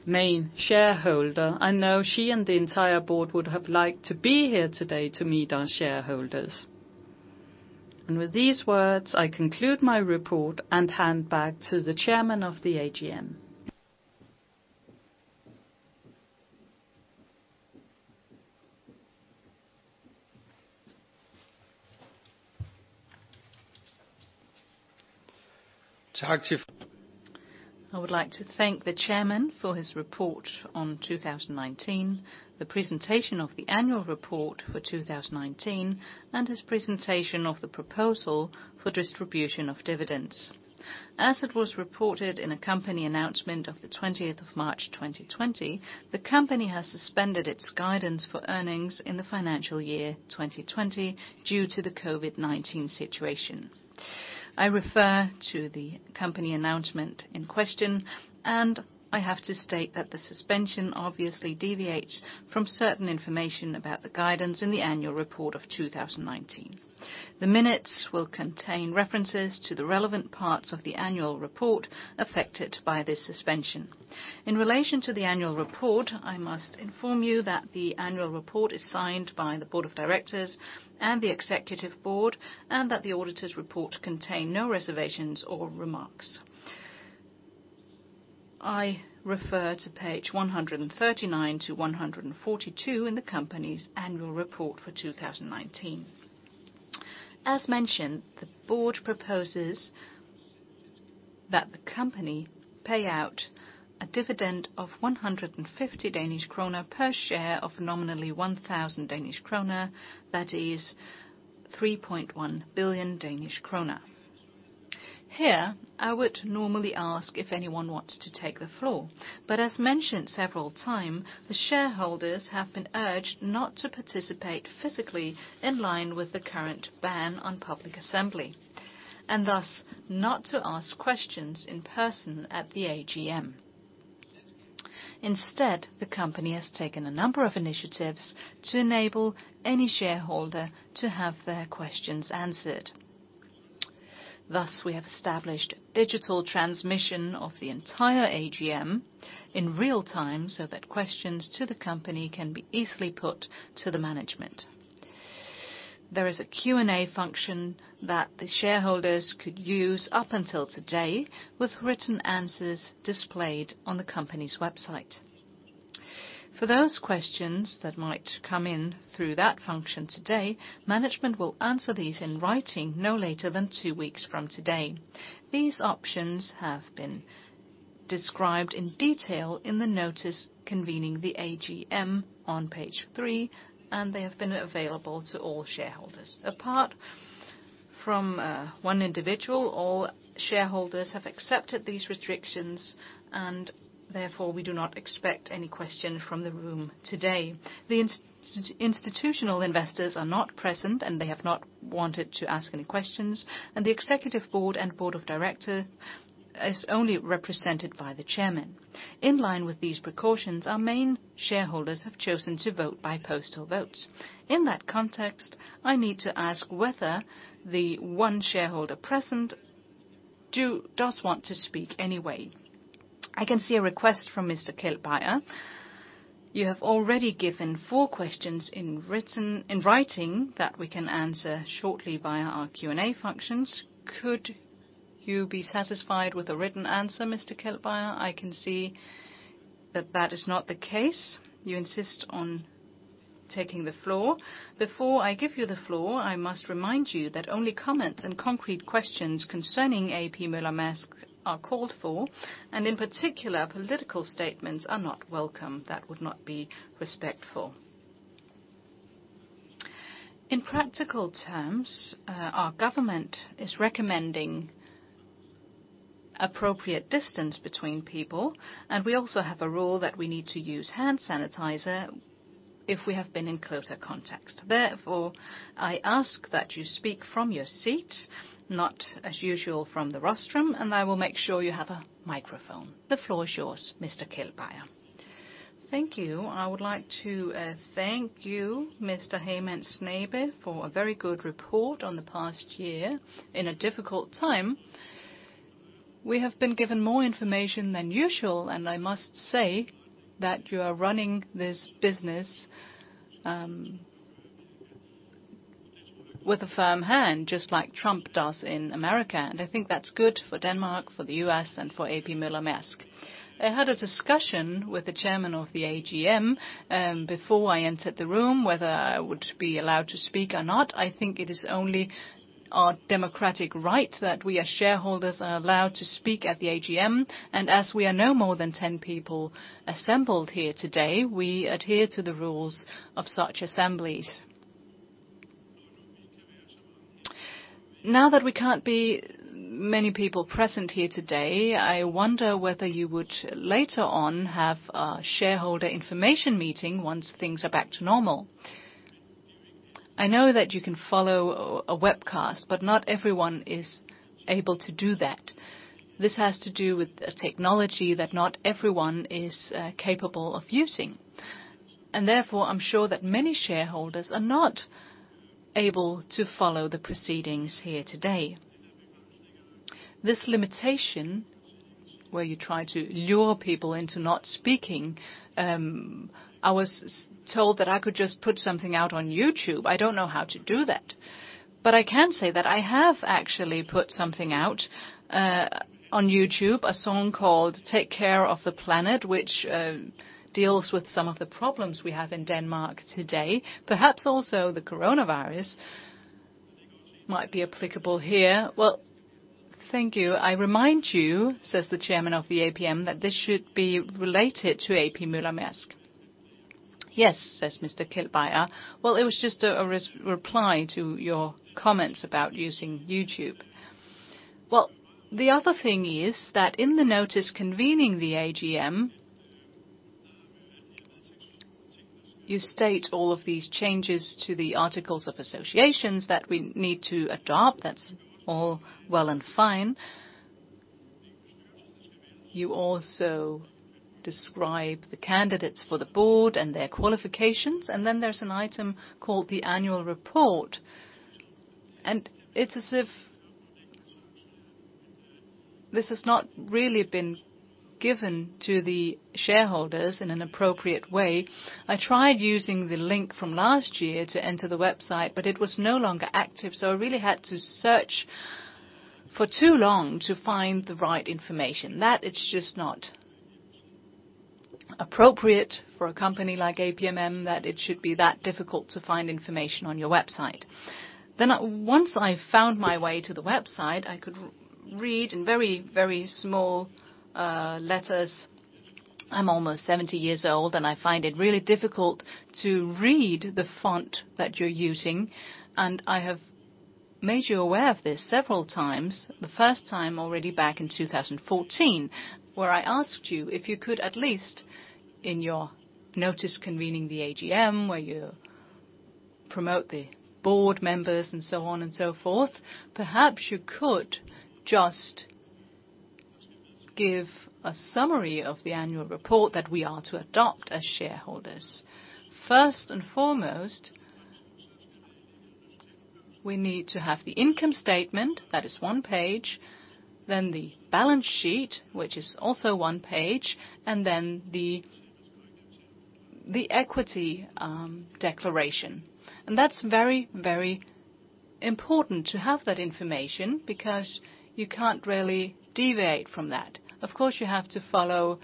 main shareholder. I know she and the entire board would have liked to be here today to meet our shareholders. With these words, I conclude my report and hand back to the Chairman of the AGM. I would like to thank the Chairman for his report on 2019, the presentation of the annual report for 2019, and his presentation of the proposal for distribution of dividends. As it was reported in a company announcement of the 20th of March 2020, the company has suspended its guidance for earnings in the financial year 2020 due to the COVID-19 situation. I refer to the company announcement in question, and I have to state that the suspension obviously deviates from certain information about the guidance in the annual report of 2019. The minutes will contain references to the relevant parts of the annual report affected by this suspension. In relation to the annual report, I must inform you that the annual report is signed by the board of directors and the executive board, and that the auditor's report contain no reservations or remarks. I refer to page 139 to 142 in the company's annual report for 2019. As mentioned, the board proposes that the company pay out a dividend of 150 Danish krone per share of nominally 1,000 Danish krone. That is 3.1 billion Danish krone. Here, I would normally ask if anyone wants to take the floor, but as mentioned several time, the shareholders have been urged not to participate physically in line with the current ban on public assembly, and thus not to ask questions in person at the AGM. Instead, the company has taken a number of initiatives to enable any shareholder to have their questions answered. Thus, we have established digital transmission of the entire AGM in real time, so that questions to the company can be easily put to the management. There is a Q&A function that the shareholders could use up until today with written answers displayed on the company's website. For those questions that might come in through that function today, management will answer these in writing no later than two weeks from today. These options have been described in detail in the notice convening the AGM on page three, and they have been available to all shareholders. Apart from one individual, all shareholders have accepted these restrictions, and therefore, we do not expect any question from the room today. The institutional investors are not present, and they have not wanted to ask any questions, and the Executive Board and Board of Directors is only represented by the Chairman. In line with these precautions, our main shareholders have chosen to vote by postal votes. In that context, I need to ask whether the one shareholder present does want to speak anyway. I can see a request from Mr. Kjeld Beyer. You have already given four questions in writing that we can answer shortly via our Q&A functions. Could you be satisfied with a written answer, Mr. Kjeld Beyer? I can see that that is not the case. You insist on taking the floor. Before I give you the floor, I must remind you that only comments and concrete questions concerning A.P. Møller - Mærsk are called for, and in particular, political statements are not welcome. That would not be respectful. In practical terms, our government is recommending appropriate distance between people, and we also have a rule that we need to use hand sanitizer if we have been in closer contact. Therefore, I ask that you speak from your seat, not as usual from the rostrum, and I will make sure you have a microphone. The floor is yours, Mr. Kjeld Beyer. Thank you. I would like to thank you, Mr. Jim Hagemann Snabe, for a very good report on the past year in a difficult time. We have been given more information than usual, I must say that you are running this business with a firm hand, just like Trump does in America. I think that's good for Denmark, for the U.S., and for A.P. Møller - Mærsk. I had a discussion with the Chairman of the AGM, before I entered the room, whether I would be allowed to speak or not. I think it is only our democratic right that we, as shareholders, are allowed to speak at the AGM. As we are no more than 10 people assembled here today, we adhere to the rules of such assemblies. Now that we can't be many people present here today, I wonder whether you would later on have a shareholder information meeting once things are back to normal. I know that you can follow a webcast, but not everyone is able to do that. This has to do with a technology that not everyone is capable of using. Therefore, I'm sure that many shareholders are not able to follow the proceedings here today. This limitation, where you try to lure people into not speaking, I was told that I could just put something out on YouTube. I don't know how to do that. I can say that I have actually put something out on YouTube, a song called "Take Care of the Planet," which deals with some of the problems we have in Denmark today, perhaps also the Coronavirus might be applicable here. Well, thank you. I remind you that this should be related to A.P. Møller - Mærsk. Yes. Well, it was just a reply to your comments about using YouTube. The other thing is that in the notice convening the AGM, you state all of these changes to the Articles of Association that we need to adopt. That's all well and fine. You also describe the candidates for the board and their qualifications, and then there's an item called the annual report. It's as if this has not really been given to the shareholders in an appropriate way. I tried using the link from last year to enter the website, but it was no longer active, so I really had to search for too long to find the right information. That is just not appropriate for a company like APMM, that it should be that difficult to find information on your website. Once I found my way to the website, I could read in very, very small letters. I'm almost 70 years old, and I find it really difficult to read the font that you're using, and I have made you aware of this several times. The first time already back in 2014, where I asked you if you could at least in your notice convening the AGM, where you promote the board members and so on and so forth, perhaps you could just give a summary of the annual report that we are to adopt as shareholders. First and foremost, we need to have the income statement, that is one page, then the balance sheet, which is also one page, and then the equity declaration. That's very, very important to have that information because you can't really deviate from that. Of course, you have to follow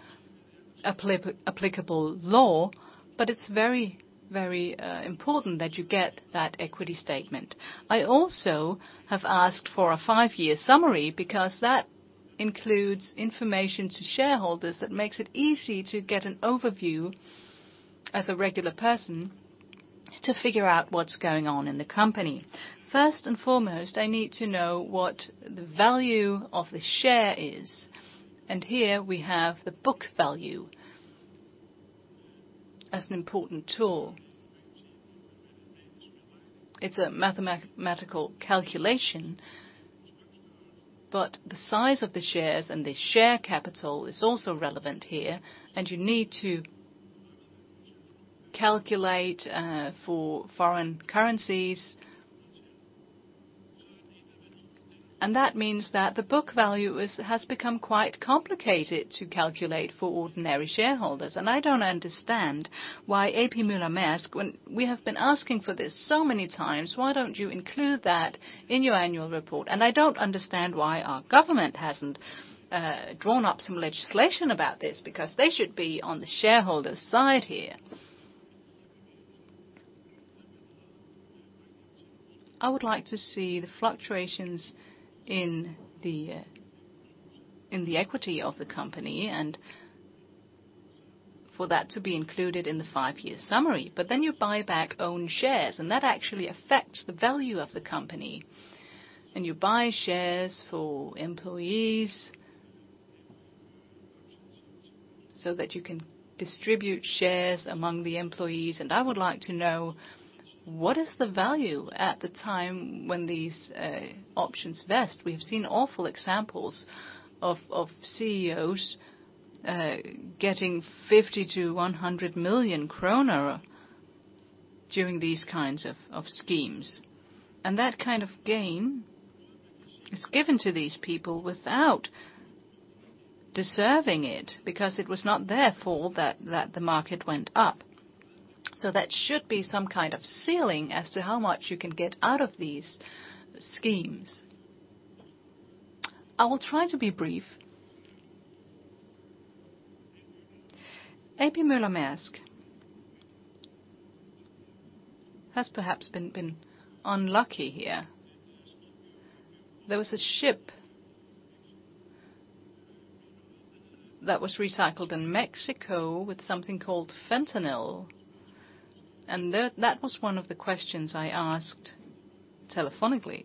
applicable law. It's very, very important that you get that equity statement. I also have asked for a five-year summary because that includes information to shareholders that makes it easy to get an overview as a regular person to figure out what's going on in the company. First and foremost, I need to know what the value of the share is. Here we have the book value as an important tool. It's a mathematical calculation, but the size of the shares and the share capital is also relevant here, and you need to calculate for foreign currencies. That means that the book value has become quite complicated to calculate for ordinary shareholders. I don't understand why A.P. Møller - Mærsk, when we have been asking for this so many times, why don't you include that in your annual report? I don't understand why our government hasn't drawn up some legislation about this because they should be on the shareholders' side here. I would like to see the fluctuations in the equity of the company, and for that to be included in the five-year summary. You buy back own shares, and that actually affects the value of the company. You buy shares for employees so that you can distribute shares among the employees. I would like to know what is the value at the time when these options vest. We have seen awful examples of CEOs getting 50 million-100 million kroner during these kinds of schemes. That kind of gain is given to these people without deserving it because it was not their fault that the market went up. That should be some kind of ceiling as to how much you can get out of these schemes. I will try to be brief. A.P. Møller - Mærsk has perhaps been unlucky here. There was a ship that was recycled in Mexico with something called fentanyl. That was one of the questions I asked telephonically.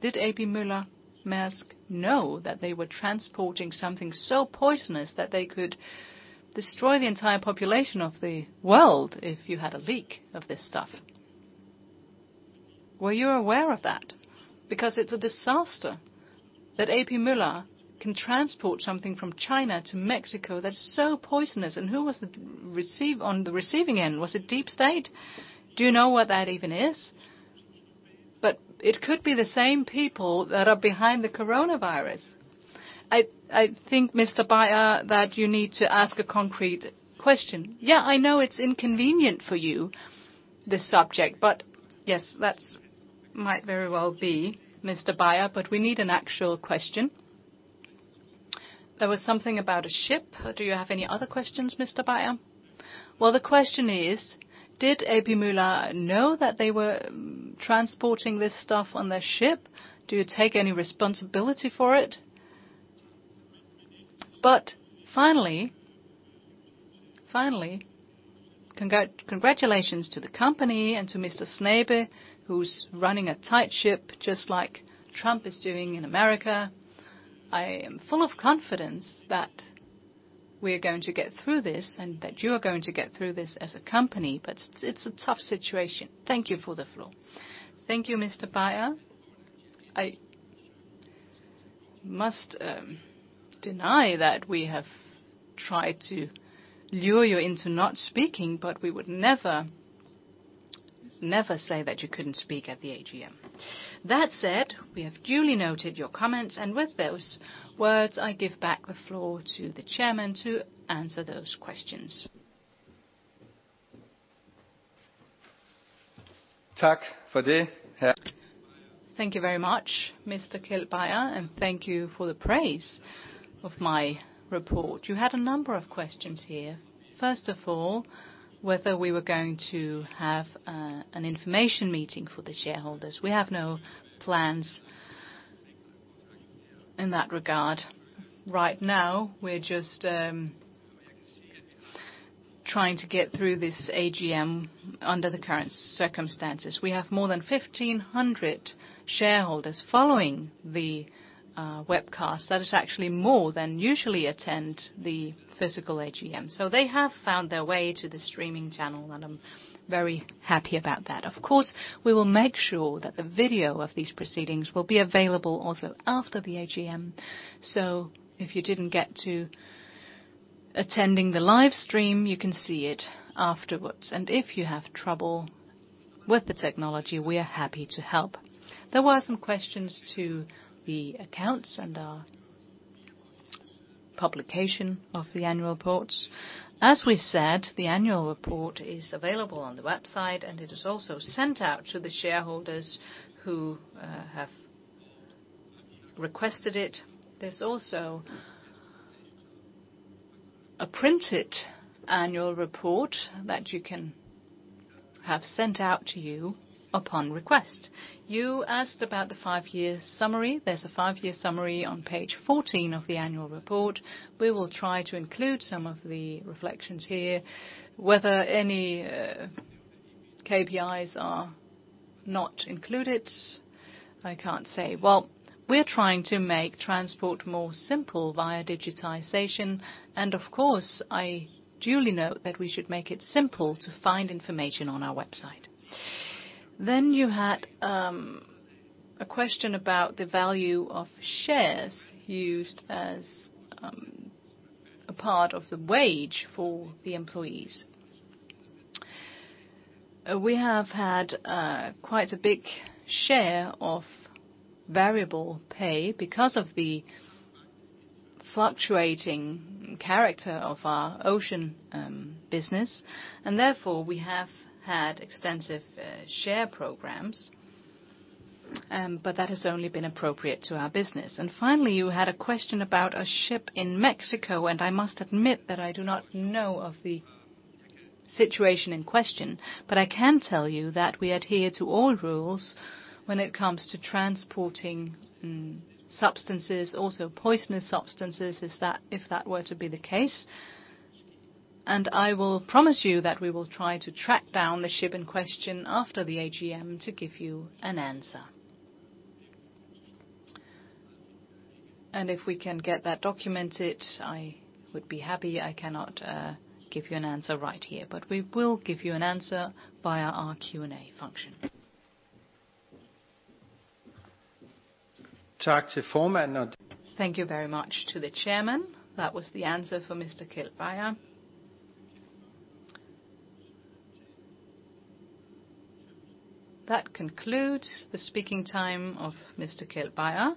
Did A.P. Møller - Mærsk know that they were transporting something so poisonous that they could destroy the entire population of the world if you had a leak of this stuff? Were you aware of that? It's a disaster that A.P. Møller can transport something from China to Mexico that's so poisonous. Who was on the receiving end? Was it Deep State? Do you know what that even is? It could be the same people that are behind the Coronavirus. I think, Mr. Beyer, that you need to ask a concrete question. Yeah, I know it's inconvenient for you, this subject. Yes, that might very well be, Mr. Beyer, we need an actual question. There was something about a ship. Do you have any other questions, Mr. Beyer? The question is, did A.P. Møller know that they were transporting this stuff on their ship? Do you take any responsibility for it? Finally, congratulations to the company and to Mr. Snabe, who's running a tight ship, just like Trump is doing in America. I am full of confidence that we're going to get through this and that you are going to get through this as a company, but it's a tough situation. Thank you for the floor. Thank you, Mr. Kjeld Beyer. I must deny that we have tried to lure you into not speaking, but we would never say that you couldn't speak at the AGM. That said, we have duly noted your comments, and with those words, I give back the floor to the Chairman to answer those questions. Thank you very much, Mr. Kjeld Beyer, and thank you for the praise of my report. You had a number of questions here. Whether we were going to have an information meeting for the shareholders. We have no plans in that regard. Right now, we're just trying to get through this AGM under the current circumstances. We have more than 1,500 shareholders following the webcast. That is actually more than usually attend the physical AGM. They have found their way to the streaming channel, and I'm very happy about that. Of course, we will make sure that the video of these proceedings will be available also after the AGM. If you didn't get to attending the live stream, you can see it afterwards. If you have trouble with the technology, we are happy to help. There were some questions to the accounts and our publication of the annual reports. As we said, the annual report is available on the website, and it is also sent out to the shareholders who have requested it. There's also a printed annual report that you can have sent out to you upon request. You asked about the five-year summary. There's a five-year summary on page 14 of the annual report. We will try to include some of the reflections here. Whether any KPIs are not included, I can't say. Well, we're trying to make transport more simple via digitization. Of course, I duly note that we should make it simple to find information on our website. You had a question about the value of shares used as a part of the wage for the employees. We have had quite a big share of variable pay because of the fluctuating character of our ocean business. Therefore, we have had extensive share programs. That has only been appropriate to our business. Finally, you had a question about a ship in Mexico. I must admit that I do not know of the situation in question. I can tell you that we adhere to all rules when it comes to transporting substances, also poisonous substances, if that were to be the case. I will promise you that we will try to track down the ship in question after the AGM to give you an answer. If we can get that documented, I would be happy. I cannot give you an answer right here. We will give you an answer via our Q&A function. Thank you very much to the Chairman. That was the answer for Mr. Kjeld Beyer. That concludes the speaking time of Mr. Kjeld Beyer.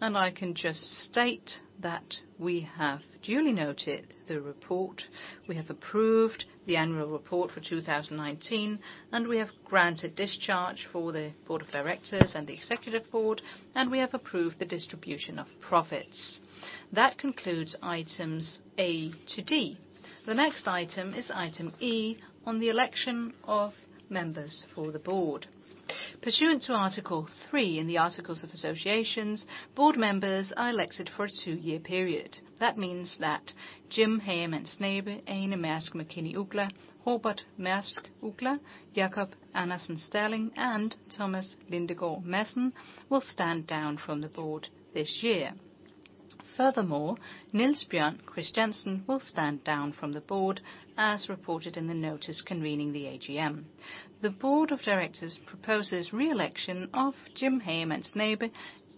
I can just state that we have duly noted the report. We have approved the annual report for 2019. We have granted discharge for the board of directors and the executive board. We have approved the distribution of profits. That concludes items A to D. The next item is item E on the election of members for the board. Pursuant to Article 3 in the Articles of Association, board members are elected for a two-year period. That means that Jim Hagemann Snabe, Ane Mærsk Mc-Kinney Uggla, Robert Mærsk Uggla, Jacob Andersen Sterling, and Thomas Lindegaard Madsen will stand down from the board this year. Furthermore, Niels Bjørn Christiansen will stand down from the board, as reported in the notice convening the AGM. The board of directors proposes re-election of Jim Hagemann Snabe,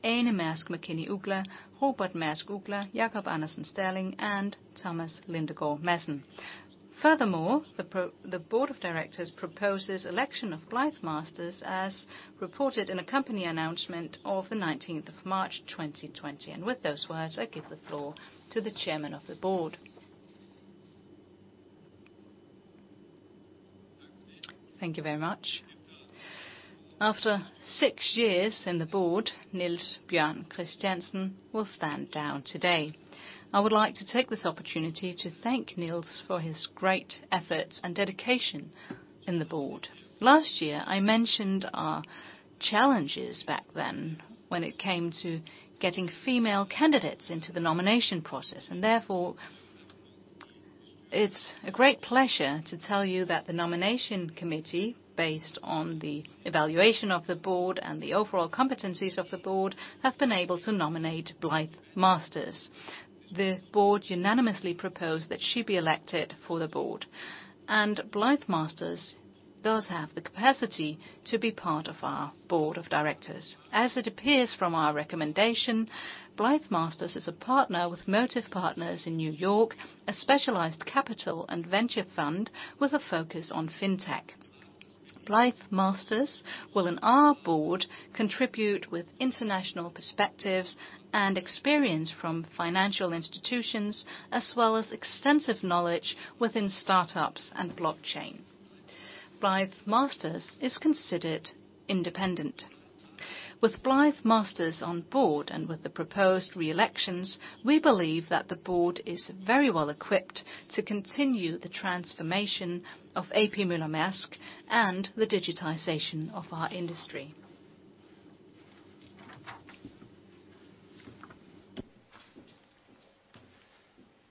Ane Mærsk Mc-Kinney Uggla, Robert Mærsk Uggla, Jacob Andersen Sterling, and Thomas Lindegaard Madsen. Furthermore, the board of directors proposes election of Blythe Masters, as reported in a company announcement of the 19th of March 2020. With those words, I give the floor to the Chairman of the Board. Thank you very much. After six years in the board, Niels Bjørn Christiansen will stand down today. I would like to take this opportunity to thank Niels for his great effort and dedication in the board. Last year, I mentioned our challenges back then when it came to getting female candidates into the nomination process. Therefore, it's a great pleasure to tell you that the nomination committee, based on the evaluation of the board and the overall competencies of the board, have been able to nominate Blythe Masters. The board unanimously proposed that she be elected for the board, and Blythe Masters does have the capacity to be part of our board of directors. As it appears from our recommendation, Blythe Masters is a partner with Motive Partners in New York, a specialized capital and venture fund with a focus on fintech. Blythe Masters will, in our board, contribute with international perspectives and experience from financial institutions, as well as extensive knowledge within startups and blockchain. Blythe Masters is considered independent. With Blythe Masters on board, and with the proposed re-elections, we believe that the board is very well equipped to continue the transformation of A.P. Møller - Mærsk and the digitization of our industry.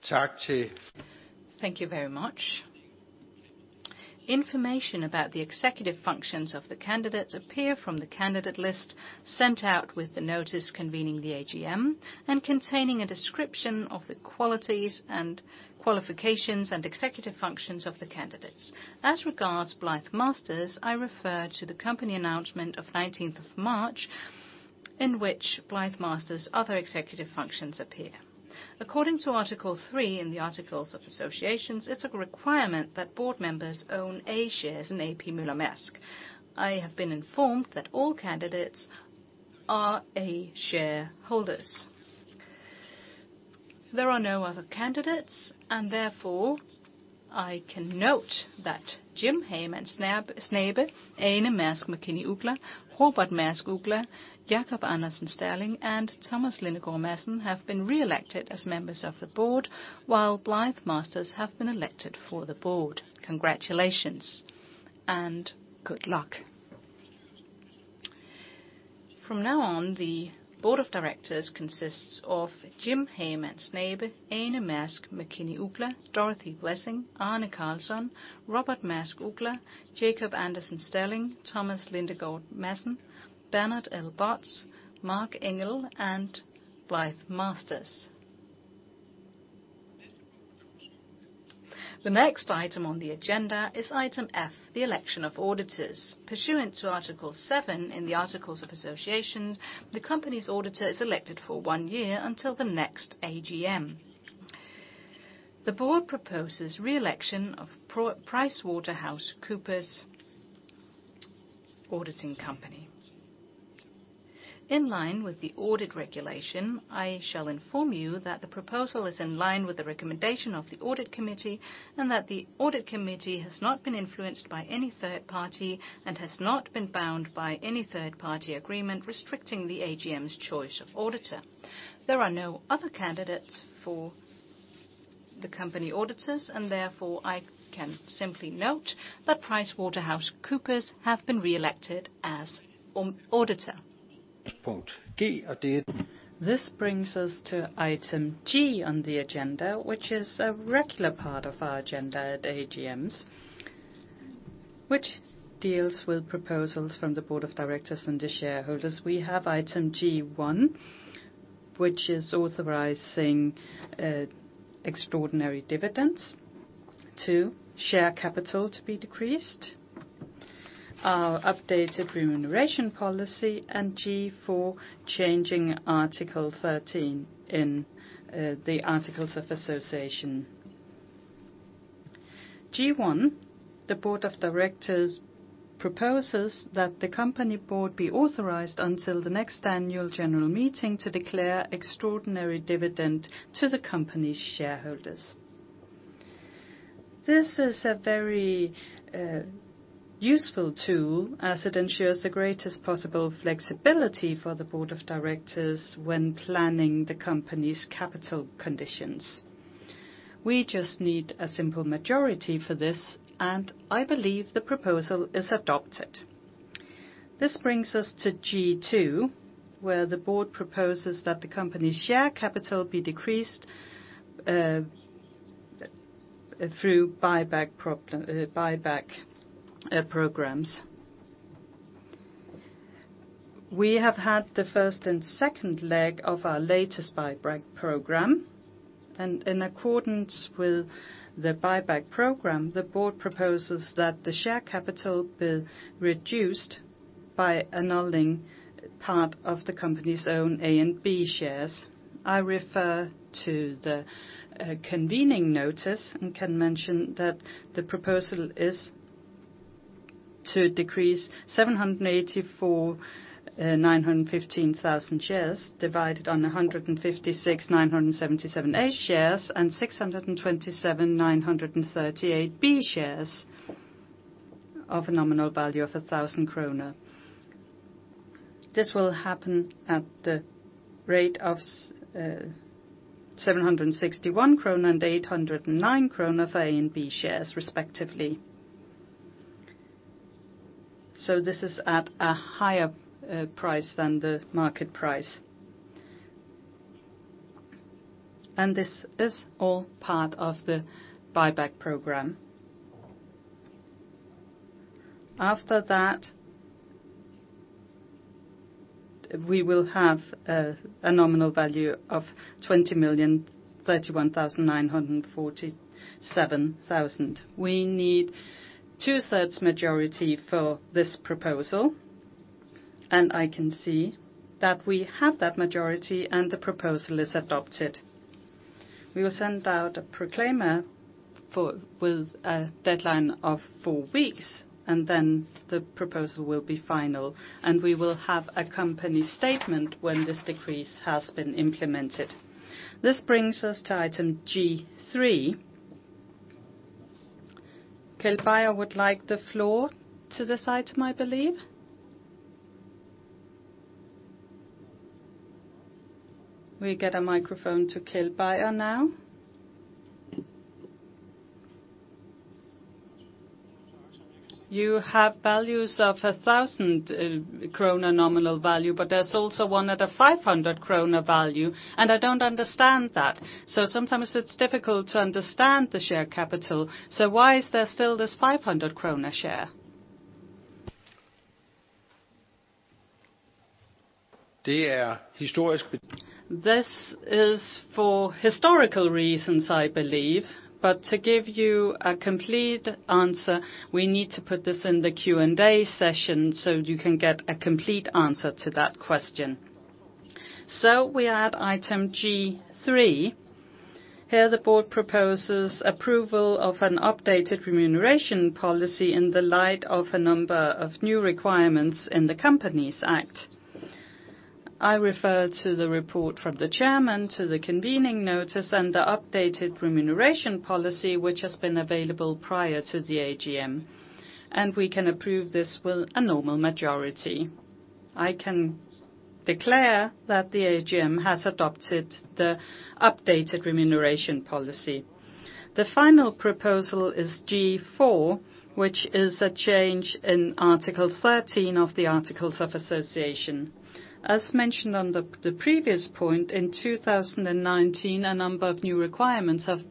Thank you. Thank you very much. Information about the executive functions of the candidates appear from the candidate list sent out with the notice convening the AGM and containing a description of the qualities and qualifications and executive functions of the candidates. As regards Blythe Masters, I refer to the company announcement of 19th of March, in which Blythe Masters' other executive functions appear. According to Article 3 in the Articles of Association, it's a requirement that board members own A shares in A.P. Møller - Mærsk. I have been informed that all candidates are A shareholder. There are no other candidates, therefore, I can note that Jim Hagemann Snabe, Ane Mærsk Mc-Kinney Uggla, Robert Mærsk Uggla, Jacob Andersen Sterling, and Thomas Lindegaard Madsen have been reelected as members of the board, while Blythe Masters have been elected for the board. Congratulations and good luck. From now on, the board of directors consists of Jim Hagemann Snabe, Ane Mærsk Mc-Kinney Uggla, Dorothee Blessing, Arne Karlsson, Robert Mærsk Uggla, Jacob Andersen Sterling, Thomas Lindegaard Madsen, Bernard L. Bot, Marc Engel, and Blythe Masters. The next item on the agenda is item F, the election of auditors. Pursuant to Article 7 in the Articles of Association, the company's auditor is elected for one year until the next AGM. The board proposes re-election of PricewaterhouseCoopers auditing company. In line with the audit regulation, I shall inform you that the proposal is in line with the recommendation of the audit committee and that the audit committee has not been influenced by any third party and has not been bound by any third-party agreement restricting the AGM's choice of auditor. There are no other candidates for the company auditors, and therefore, I can simply note that PricewaterhouseCoopers have been reelected as auditor. This brings us to item G on the agenda, which is a regular part of our agenda at AGMs, which deals with proposals from the Board of Directors and the shareholders. We have item G1, which is authorizing extraordinary dividends. G2, share capital to be decreased. G3, our updated remuneration policy, and G4, changing Article 13 in the Articles of Association. G1, the Board of Directors proposes that the company board be authorized until the next annual general meeting to declare extraordinary dividend to the company's shareholders. This is a very useful tool as it ensures the greatest possible flexibility for the Board of Directors when planning the company's capital conditions. We just need a simple majority for this, I believe the proposal is adopted. This brings us to G2, where the Board proposes that the company's share capital be decreased through buyback programs. We have had the first and second leg of our latest buyback program, and in accordance with the buyback program, the board proposes that the share capital be reduced by annulling part of the company's own A and B shares. I refer to the convening notice and can mention that the proposal is to decrease 784,915,000 shares divided on 156,977 A shares and 627,938 B shares of a nominal value of 1,000 krone. This will happen at the rate of 761 krone and 809 krone for A and B shares respectively. This is at a higher price than the market price. This is all part of the buyback program. After that, we will have a nominal value of 20,031,947,000. We need two thirds majority for this proposal, and I can see that we have that majority and the proposal is adopted. We will send out a proclamation with a deadline of four weeks, then the proposal will be final, we will have a company statement when this decision has been implemented. This brings us to item G3. Kjeld Beyer would like the floor to this item, I believe. We get a microphone to Kjeld Beyer now. You have values of 1,000 krone nominal value, but there's also one at a 500 krone value, I don't understand that. Sometimes it's difficult to understand the share capital. Why is there still this 500 kroner share? This is for historical reasons, I believe. To give you a complete answer, we need to put this in the Q&A session you can get a complete answer to that question. We add item G3. Here, the board proposes approval of an updated remuneration policy in the light of a number of new requirements in the Companies Act. I refer to the report from the Chairman to the convening notice, and the updated remuneration policy, which has been available prior to the AGM. We can approve this with a normal majority. I can declare that the AGM has adopted the updated remuneration policy. The final proposal is G4, which is a change in Article 13 of the Articles of Association. As mentioned on the previous point, in 2019, a number of new requirements have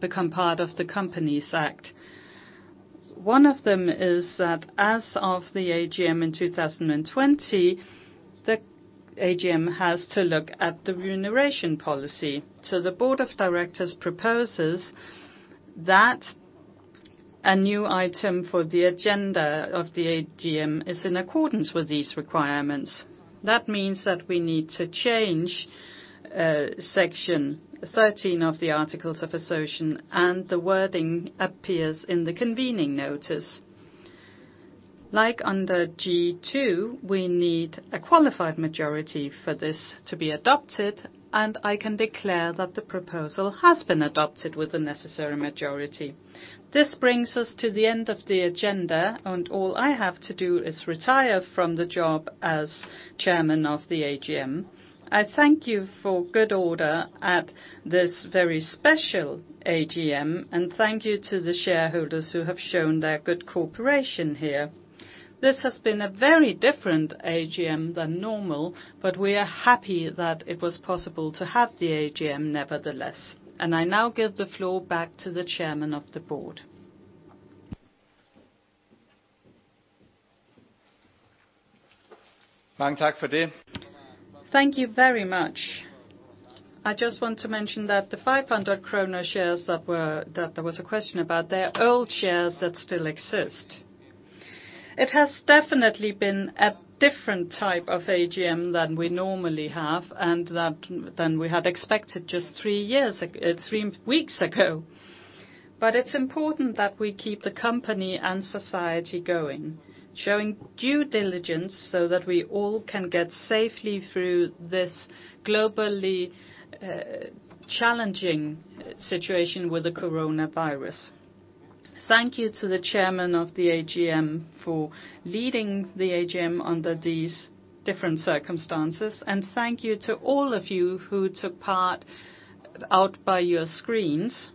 become part of the Companies Act. One of them is that as of the AGM in 2020, the AGM has to look at the remuneration policy. The board of directors proposes that a new item for the agenda of the AGM is in accordance with these requirements. That means that we need to change Section 13 of the Articles of Association. The wording appears in the Convening Notice. Like under G2, we need a qualified majority for this to be adopted. I can declare that the proposal has been adopted with the necessary majority. This brings us to the end of the agenda. All I have to do is retire from the job as Chairman of the AGM. I thank you for good order at this very special AGM. Thank you to the shareholders who have shown their good cooperation here. This has been a very different AGM than normal. We are happy that it was possible to have the AGM nevertheless. I now give the floor back to the Chairman of the Board. Thank you very much. I just want to mention that the 500 krone shares that there was a question about, they are old shares that still exist. It has definitely been a different type of AGM than we normally have and than we had expected just three weeks ago. It's important that we keep the company and society going, showing due diligence so that we all can get safely through this globally challenging situation with the coronavirus. Thank you to the Chairman of the AGM for leading the AGM under these different circumstances. Thank you to all of you who took part out by your screens.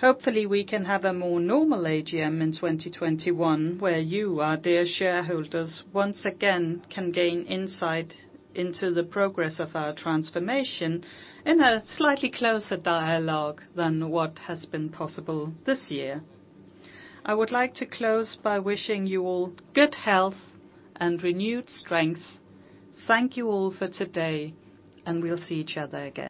Hopefully, we can have a more normal AGM in 2021, where you, our dear shareholders, once again can gain insight into the progress of our transformation in a slightly closer dialogue than what has been possible this year. I would like to close by wishing you all good health and renewed strength. Thank you all for today. We'll see each other again.